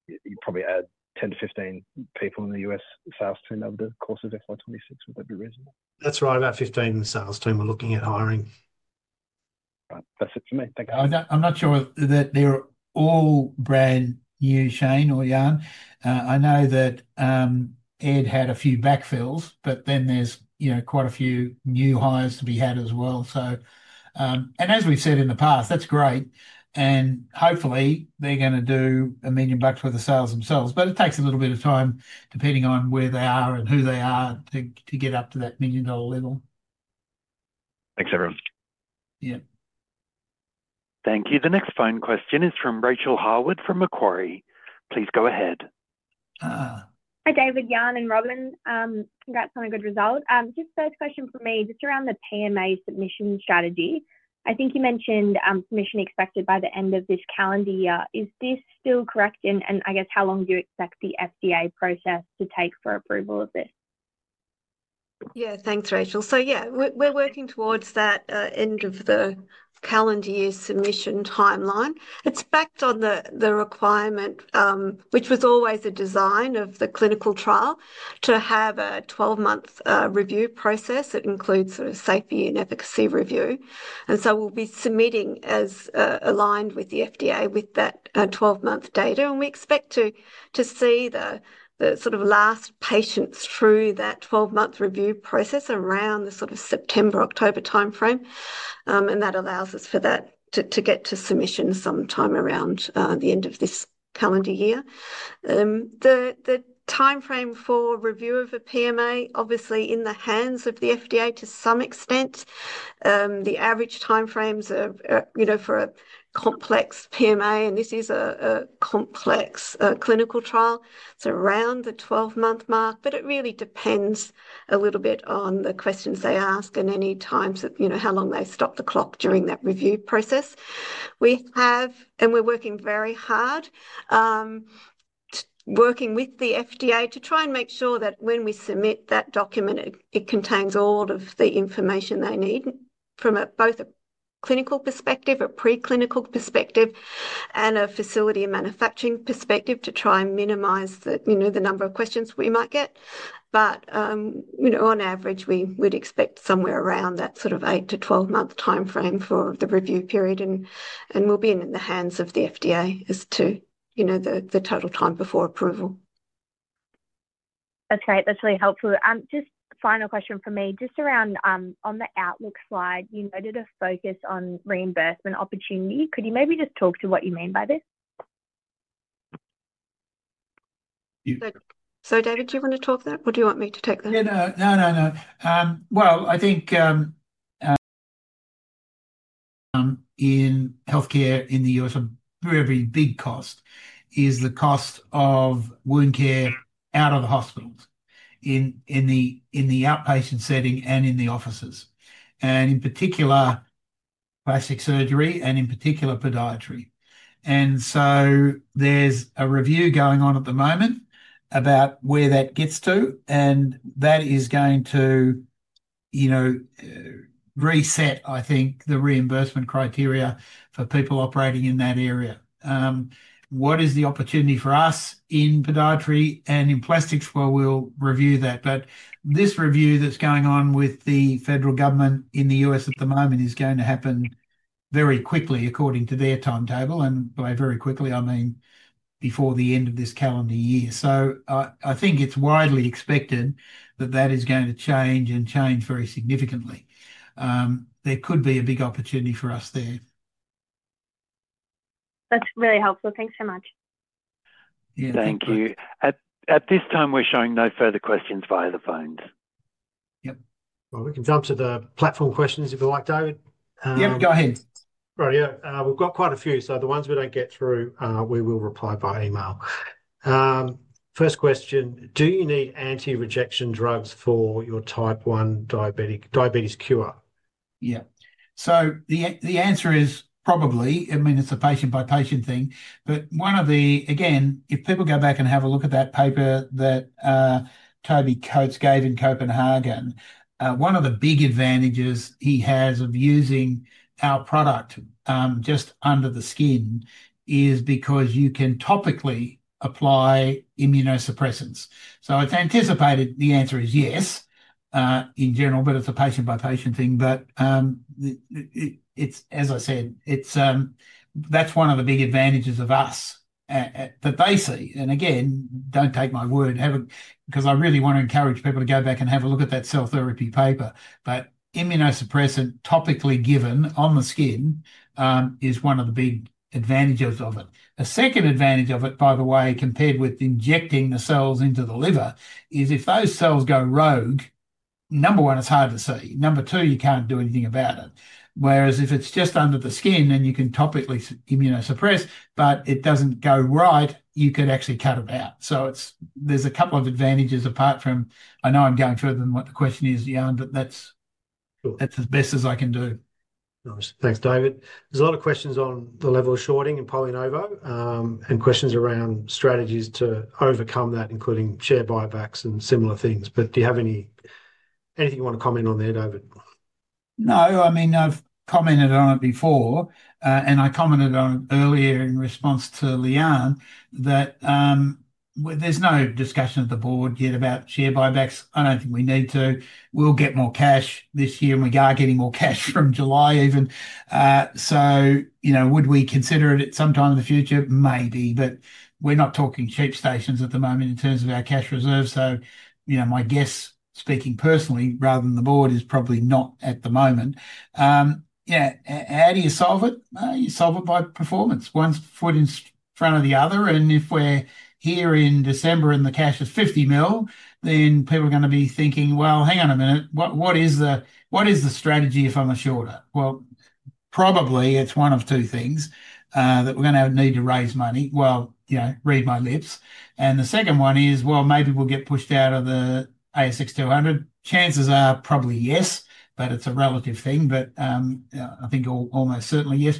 you probably add 10-15 people in the U.S. sales team over the course of FY 2026? Would that be reasonable? That's right. About 15 sales team we're looking at hiring. That's it for me. Thank you. I'm not sure that they're all brand new, Shane or Jan. I know that Ed had a few backfills, but then there's quite a few new hires to be had as well. As we said in the past, that's great. Hopefully, they're going to do a million dollars worth of sales themselves. It takes a little bit of time, depending on where they are and who they are, to get up to that million dollar level. Thanks, everyone. Yeah. Thank you. The next phone question is from Rachael Harwood from Macquarie. Please go ahead. Hi, David, Jan, and Robyn. Congrats on a good result. Just first question for me, just around the PMA submission strategy. I think you mentioned submission expected by the end of this calendar year. Is this still correct? I guess how long do you expect the FDA process to take for approval of this? Yeah, thanks, Rachael. We're working towards that end of the calendar year submission timeline. It's backed on the requirement, which was always a design of the clinical trial, to have a 12-month review process that includes safety and efficacy review. We'll be submitting as aligned with the FDA with that 12-month data. We expect to see the last patients through that 12-month review process around the September-October timeframe. That allows us for that to get to submission sometime around the end of this calendar year. The timeframe for review of a PMA is obviously in the hands of the FDA to some extent. The average timeframes are, for a complex PMA, and this is a complex clinical trial, it's around the 12-month mark. It really depends a little bit on the questions they ask and any times, how long they stop the clock during that review process. We have, and we're working very hard working with the FDA to try and make sure that when we submit that document, it contains all of the information they need from both a clinical perspective, a preclinical perspective, and a facility and manufacturing perspective to try and minimize the number of questions we might get. On average, we would expect somewhere around that eight to 12-month timeframe for the review period. We'll be in the hands of the FDA as to the total time before approval. That's great. That's really helpful. Just final question for me, just around on the outlook slide, you noted a focus on reimbursement opportunity. Could you maybe just talk to what you mean by this? David, do you want to talk that or do you want me to take that? I think in healthcare in the U.S., a very big cost is the cost of wound care out of the hospitals, in the outpatient setting and in the offices, in particular plastic surgery and in particular podiatry. There is a review going on at the moment about where that gets to. That is going to reset, I think, the reimbursement criteria for people operating in that area. What is the opportunity for us in podiatry and in plastics? We'll review that. This review that's going on with the federal government in the U.S. at the moment is going to happen very quickly, according to their timetable. By very quickly, I mean before the end of this calendar year. I think it's widely expected that that is going to change and change very significantly. There could be a big opportunity for us there. That's really helpful. Thanks so much. Thank you. At this time, we're showing no further questions via the phones. Yes. We can jump to the platform questions if you like, David. Yep, go ahead. All right. We've got quite a few. The ones we don't get through, we will reply by email. First question, do you need anti-rejection drugs for your type 1 diabetes cure? Yeah. The answer is probably, I mean, it's a patient-by-patient thing. If people go back and have a look at that paper that Toby Coates gave in Copenhagen, one of the big advantages he has of using our product just under the skin is because you can topically apply immunosuppressants. I've anticipated the answer is yes, in general, but it's a patient-by-patient thing. As I said, that's one of the big advantages of us at the base. Don't take my word, because I really want to encourage people to go back and have a look at that cell therapy paper. Immunosuppressant topically given on the skin is one of the big advantages of it. A second advantage of it, by the way, compared with injecting the cells into the liver, is if those cells go rogue, number one, it's hard to see. Number two, you can't do anything about it. Whereas if it's just under the skin, then you can topically immunosuppress, but if it doesn't go right, you could actually cut it out. There's a couple of advantages apart from, I know I'm going further than what the question is, Jan, but that's as best as I can do. Nice. Thanks, David. There are a lot of questions on the level of shorting in PolyNovo and questions around strategies to overcome that, including share buybacks and similar things. Do you have anything you want to comment on there, David? No, I mean, I've commented on it before, and I commented on it earlier in response to Leanne that there's no discussion at the Board yet about share buybacks. I don't think we need to. We'll get more cash this year, and we are getting more cash from July even. Would we consider it at some time in the future? Maybe, but we're not talking check stations at the moment in terms of our cash reserve. My guess, speaking personally, rather than the Board, is probably not at the moment. How do you solve it? You solve it by performance. One's foot in front of the other. If we're here in December and the cash is $50 million, then people are going to be thinking, hang on a minute, what is the strategy if I'm a shorter? It's probably one of two things: that we're going to need to raise money. Read my lips. The second one is, maybe we'll get pushed out of the ASX 200. Chances are probably yes, but it's a relative thing. I think almost certainly yes.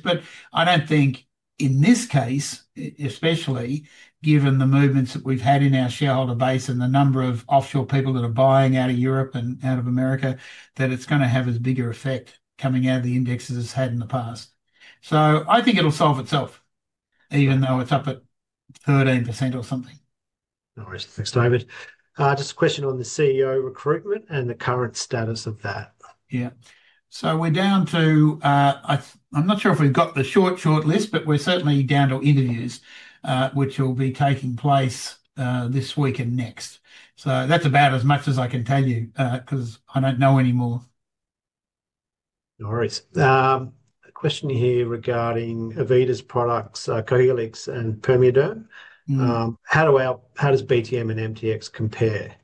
I don't think in this case, especially given the movements that we've had in our shareholder base and the number of offshore people that are buying out of Europe and out of America, that it's going to have a bigger effect coming out of the indexes as it's had in the past. I think it'll solve itself, even though it's up at 13% or something. No worries. Thanks, David. Just a question on the CEO recruitment and the current status of that. We're down to, I'm not sure if we've got the short, short list, but we're certainly down to interviews, which will be taking place this week and next. That's about as much as I can tell you because I don't know any more. No worries. A question here regarding AVITA's products, Cohealyx and PermeaDerm. How does BTM and MTX compare?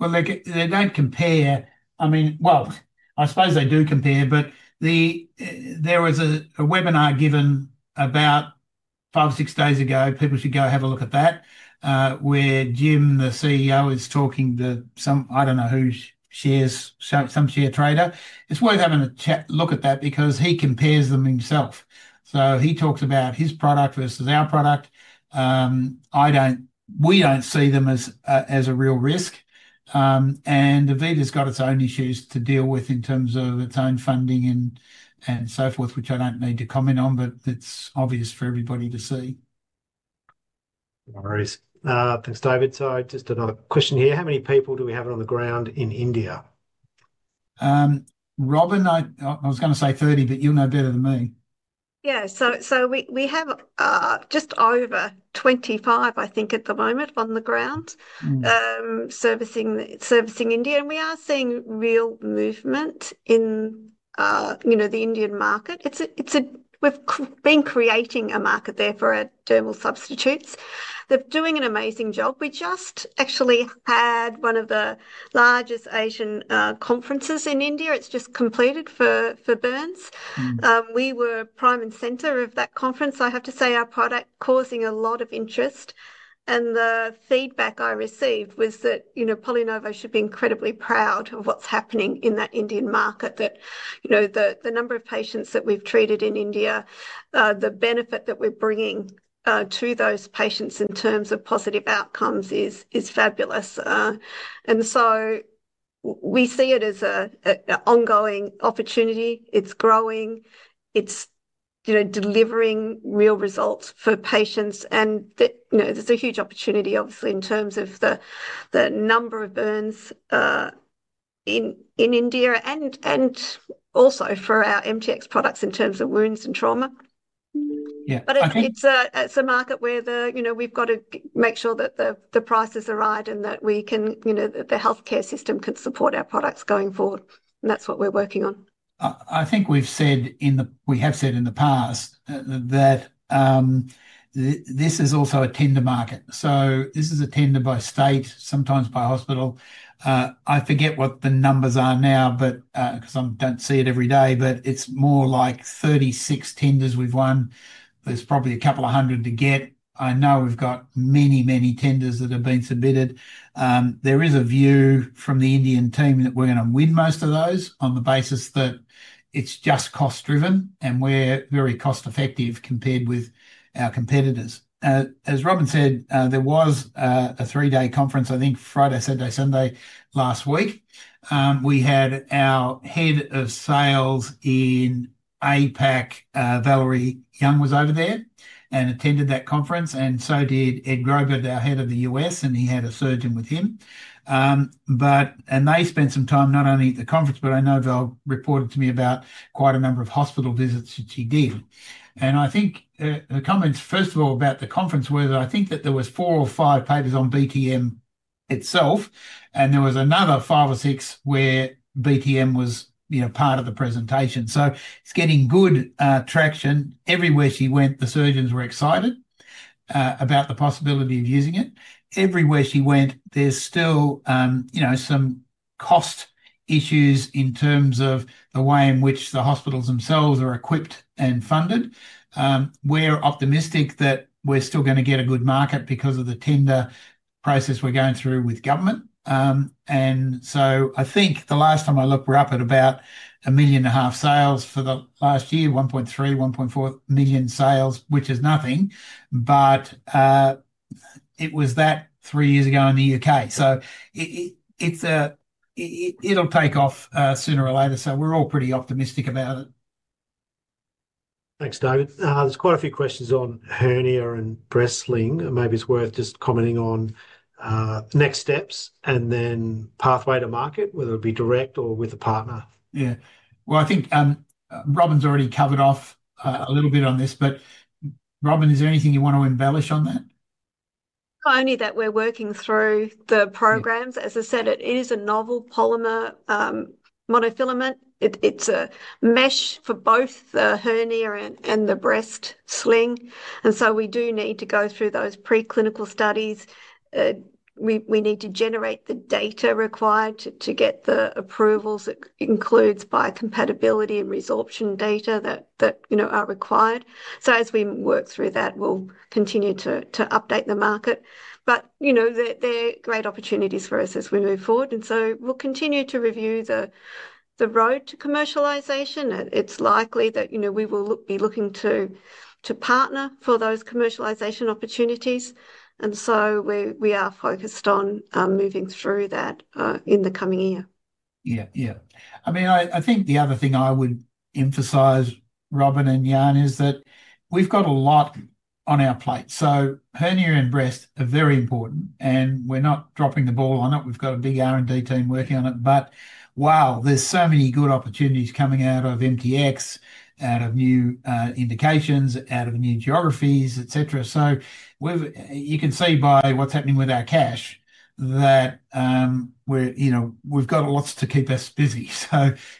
They don't compare. I mean, I suppose they do compare, but there was a webinar given about five, six days ago. People should go have a look at that, where Jim, the CEO, is talking to some, I don't know whose shares, some share trader. It's worth having a look at that because he compares them himself. He talks about his product versus our product. We don't see them as a real risk. AVITA's got its own issues to deal with in terms of its own funding and so forth, which I don't need to comment on, but it's obvious for everybody to see. No worries. Thanks, David. Just another question here. How many people do we have on the ground in India? Robyn, I was going to say 30, but you'll know better than me. Yeah. We have just over 25, I think, at the moment on the ground servicing India. We are seeing real movement in the Indian market. We've been creating a market there for our dermal substitutes. They're doing an amazing job. We just actually had one of the largest Asian conferences in India. It just completed for burns. We were prime and center of that conference. I have to say our product caused a lot of interest. The feedback I received was that PolyNovo should be incredibly proud of what's happening in that Indian market, that the number of patients that we've treated in India, the benefit that we're bringing to those patients in terms of positive outcomes is fabulous. We see it as an ongoing opportunity. It's growing. It's delivering real results for patients. There's a huge opportunity, obviously, in terms of the number of burns in India and also for our MTX products in terms of wounds and trauma. It's a market where we've got to make sure that the prices are right and that the healthcare system can support our products going forward. That's what we're working on. I think we've said in the past that this is also a tender market. This is a tender by state, sometimes by hospital. I forget what the numbers are now because I don't see it every day, but it's more like 36 tenders we've won. There's probably a couple of hundred to get. I know we've got many, many tenders that have been submitted. There is a view from the Indian team that we're going to win most of those on the basis that it's just cost-driven and we're very cost-effective compared with our competitors. As Robyn said, there was a three-day conference, I think Friday, Saturday, Sunday last week. We had our Head of Sales in APAC, Valerie Young, over there and attended that conference, and so did Ed Graubart, our Head of the U.S., and he had a surgeon with him. They spent some time not only at the conference, but I know they'll report to me about quite a number of hospital visits that she did. I think her comments, first of all, about the conference were that there were four or five pages on BTM itself. There was another five or six where BTM was part of the presentation. It's getting good traction. Everywhere she went, the surgeons were excited about the possibility of using it. Everywhere she went, there's still some cost issues in terms of the way in which the hospitals themselves are equipped and funded. We're optimistic that we're still going to get a good market because of the tender process we're going through with government. I think the last time I looked, we're up at about $1.5 million sales for the last year, $1.3 million, $1.4 million sales, which is nothing. It was that three years ago in the U.K. It will take off sooner or later. We're all pretty optimistic about it. Thanks, David. There's quite a few questions on hernia and breast sling. Maybe it's worth just commenting on next steps and then pathway to market, whether it be direct or with a partner. I think Robyn's already covered off a little bit on this, but Robyn, is there anything you want to embellish on that? We're working through the programs. As I said, it is a novel polymer monofilament. It's a mesh for both the hernia and the breast sling. We do need to go through those preclinical studies. We need to generate the data required to get the approvals that include biocompatibility and resorption data that are required. As we work through that, we'll continue to update the market. They're great opportunities for us as we move forward. We'll continue to review the road to commercialization. It's likely that we will be looking to partner for those commercialization opportunities. We are focused on moving through that in the coming year. Yeah, yeah. I mean, I think the other thing I would emphasize, Robyn and Jan, is that we've got a lot on our plate. Hernia and breast are very important, and we're not dropping the ball on it. We've got a big R&D team working on it. There are so many good opportunities coming out of MTX, out of new indications, out of new geographies, etc. You can see by what's happening with our cash that we've got lots to keep us busy.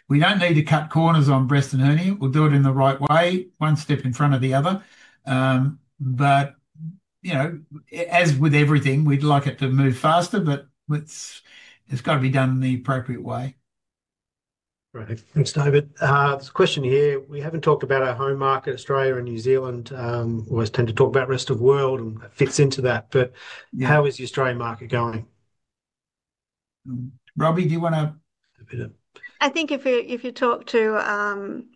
We don't need to cut corners on breast and hernia. We'll do it in the right way, one step in front of the other. As with everything, we'd like it to move faster, but it's got to be done in the appropriate way. Right. Thanks, David. There's a question here. We haven't talked about our home market, Australia and New Zealand. We always tend to talk about the rest of the world and that fits into that. How is the Australian market going? Robyn, do you want to? I think if you talk to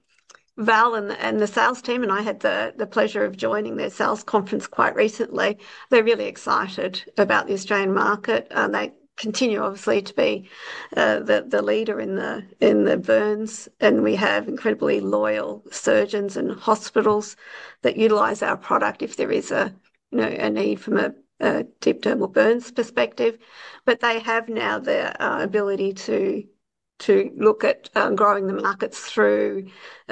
Val and the sales team, and I had the pleasure of joining their sales conference quite recently, they're really excited about the Australian market. They continue, obviously, to be the leader in the burns. We have incredibly loyal surgeons and hospitals that utilize our product if there is a need from a deep dermal burns perspective. They have now the ability to look at growing the markets through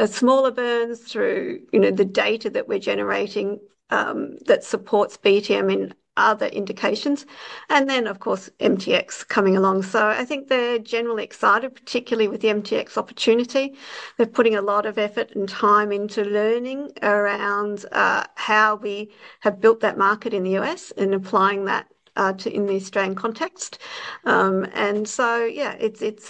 smaller burns, through the data that we're generating that supports BTM and other indications. Of course, MTX coming along. I think they're generally excited, particularly with the MTX opportunity. They're putting a lot of effort and time into learning around how we have built that market in the U.S. and applying that in the Australian context. It's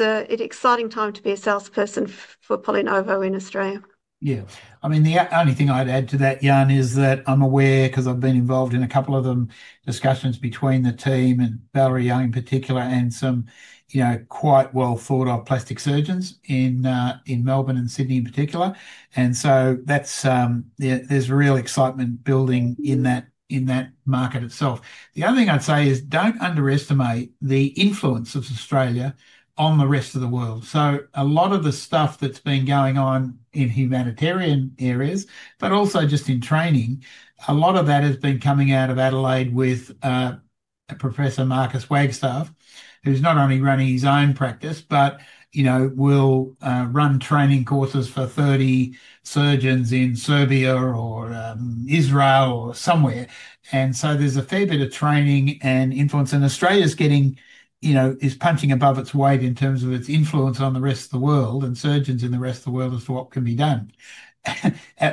an exciting time to be a salesperson for PolyNovo in Australia. Yeah. I mean, the only thing I'd add to that, Jan, is that I'm aware, because I've been involved in a couple of them, discussions between the team and Valerie Young in particular and some quite well-thought-of plastic surgeons in Melbourne and Sydney in particular. There's real excitement building in that market itself. The other thing I'd say is don't underestimate the influence of Australia on the rest of the world. A lot of the stuff that's been going on in humanitarian areas, but also just in training, a lot of that has been coming out of Adelaide with Professor [Marcus Wavestove], who's not only running his own practice, but will run training courses for 30 surgeons in Serbia or Israel or somewhere. There's a fair bit of training and influence. Australia is punching above its weight in terms of its influence on the rest of the world and surgeons in the rest of the world as to what can be done.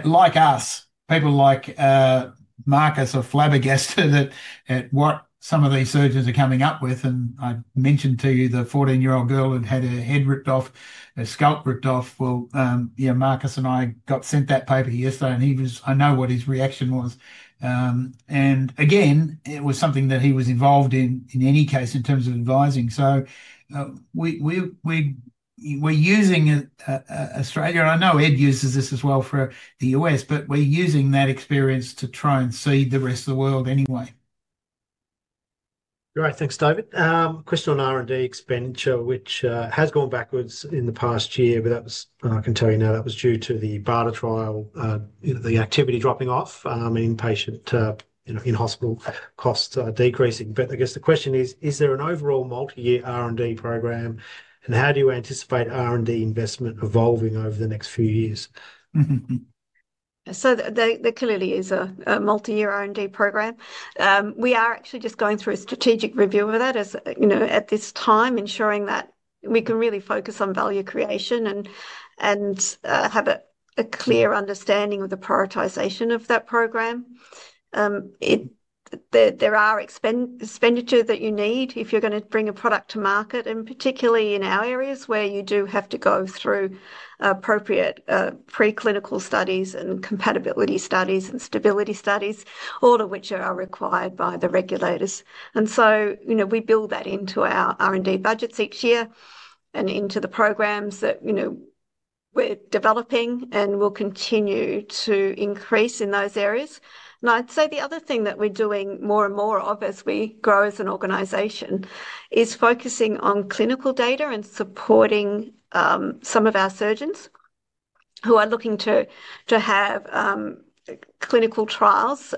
Like us, people like Marcus are flabbergasted at what some of these surgeons are coming up with. I mentioned to you the 14-year-old girl who had her scalp ripped off. Marcus and I got sent that paper yesterday, and I know what his reaction was. It was something that he was involved in, in any case, in terms of advising. We're using Australia, and I know Ed uses this as well for the U.S., but we're using that experience to try and seed the rest of the world anyway. All right. Thanks, David. A question on R&D expenditure, which has gone backwards in the past year. That was, I can tell you now, that was due to the BARDA trial, the activity dropping off in patient, in hospital costs decreasing. I guess the question is, is there an overall multi-year R&D program, and how do you anticipate R&D investment evolving over the next few years? There clearly is a multi-year R&D program. We are actually just going through a strategic review of that, as you know, at this time, ensuring that we can really focus on value creation and have a clear understanding of the prioritization of that program. There are expenditures that you need if you're going to bring a product to market, particularly in our areas where you do have to go through appropriate preclinical studies, compatibility studies, and stability studies, all of which are required by the regulators. We build that into our R&D budgets each year and into the programs that we're developing and will continue to increase in those areas. I'd say the other thing that we're doing more and more of as we grow as an organization is focusing on clinical data and supporting some of our surgeons who are looking to have clinical trials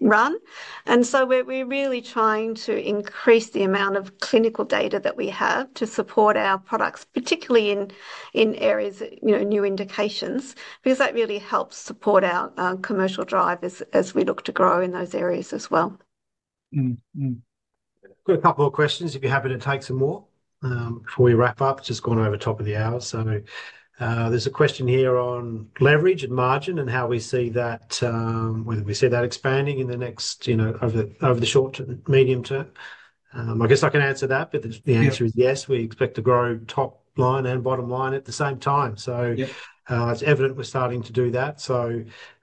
run. We're really trying to increase the amount of clinical data that we have to support our products, particularly in areas, new indications, because that really helps support our commercial drivers as we look to grow in those areas as well. Got a couple of questions if you're happy to take some more before we wrap up. It's just gone over top of the hour. There's a question here on leverage and margin and how we see that, whether we see that expanding in the next, you know, over the short term, medium term. I guess I can answer that, but the answer is yes. We expect to grow top line and bottom line at the same time. It's evident we're starting to do that.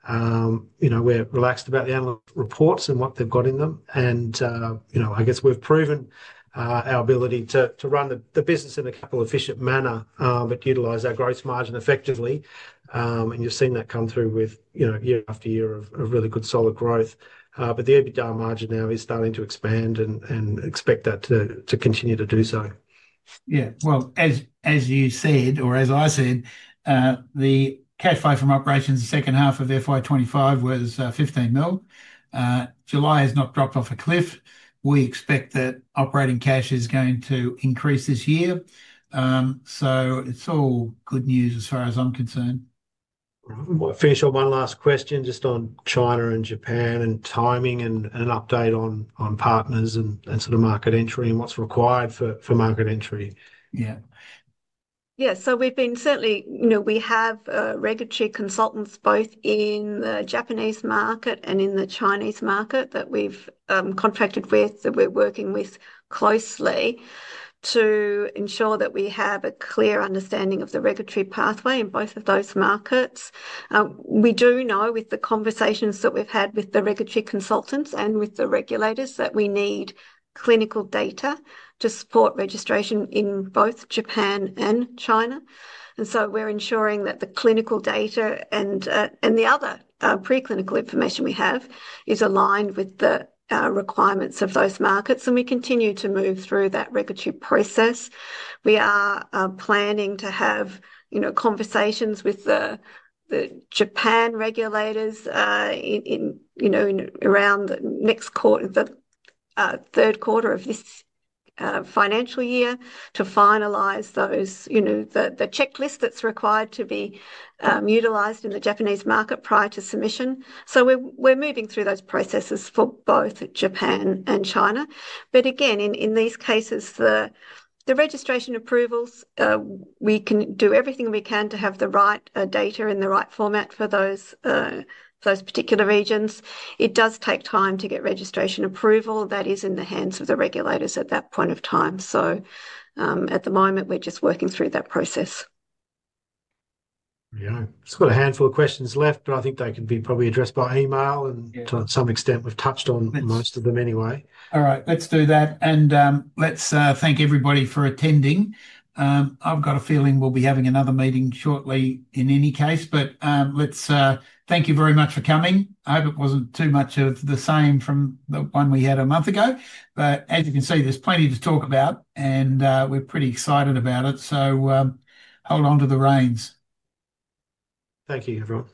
We're relaxed about the analytical reports and what they've got in them. I guess we've proven our ability to run the business in a well efficient manner, but utilize our gross margin effectively. You've seen that come through with year after year of really good solid growth. The EBITDA margin now is starting to expand and expect that to continue to do so. As you said, or as I said, the cash flow from operations the second half of FY 2025 was $15 million. July has not dropped off a cliff. We expect that operating cash is going to increase this year, so it's all good news as far as I'm concerned. I finish up one last question just on China and Japan and timing and an update on partners and sort of market entry and what's required for market entry. Yeah, yeah, so we've been certainly, you know, we have regulatory consultants both in the Japanese market and in the Chinese market that we've contracted with, that we're working with closely to ensure that we have a clear understanding of the regulatory pathway in both of those markets. We do know with the conversations that we've had with the regulatory consultants and with the regulators that we need clinical data to support registration in both Japan and China. We're ensuring that the clinical data and the other preclinical information we have is aligned with the requirements of those markets, and we continue to move through that regulatory process. We are planning to have conversations with the Japan regulators, in, you know, around the next quarter, the third quarter of this financial year to finalize those, you know, the checklist that's required to be utilized in the Japanese market prior to submission. We're moving through those processes for both Japan and China. In these cases, the registration approvals, we can do everything we can to have the right data in the right format for those particular regions. It does take time to get registration approval. That is in the hands of the regulators at that point of time. At the moment, we're just working through that process. Yeah, I've got a handful of questions left, but I think they can be probably addressed by email, and to some extent we've touched on most of them anyway. All right, let's do that. Let's thank everybody for attending. I've got a feeling we'll be having another meeting shortly in any case. Thank you very much for coming. I hope it wasn't too much of the same from the one we had a month ago. As you can see, there's plenty to talk about, and we're pretty excited about it. Hold on to the reins. Thank you, everyone.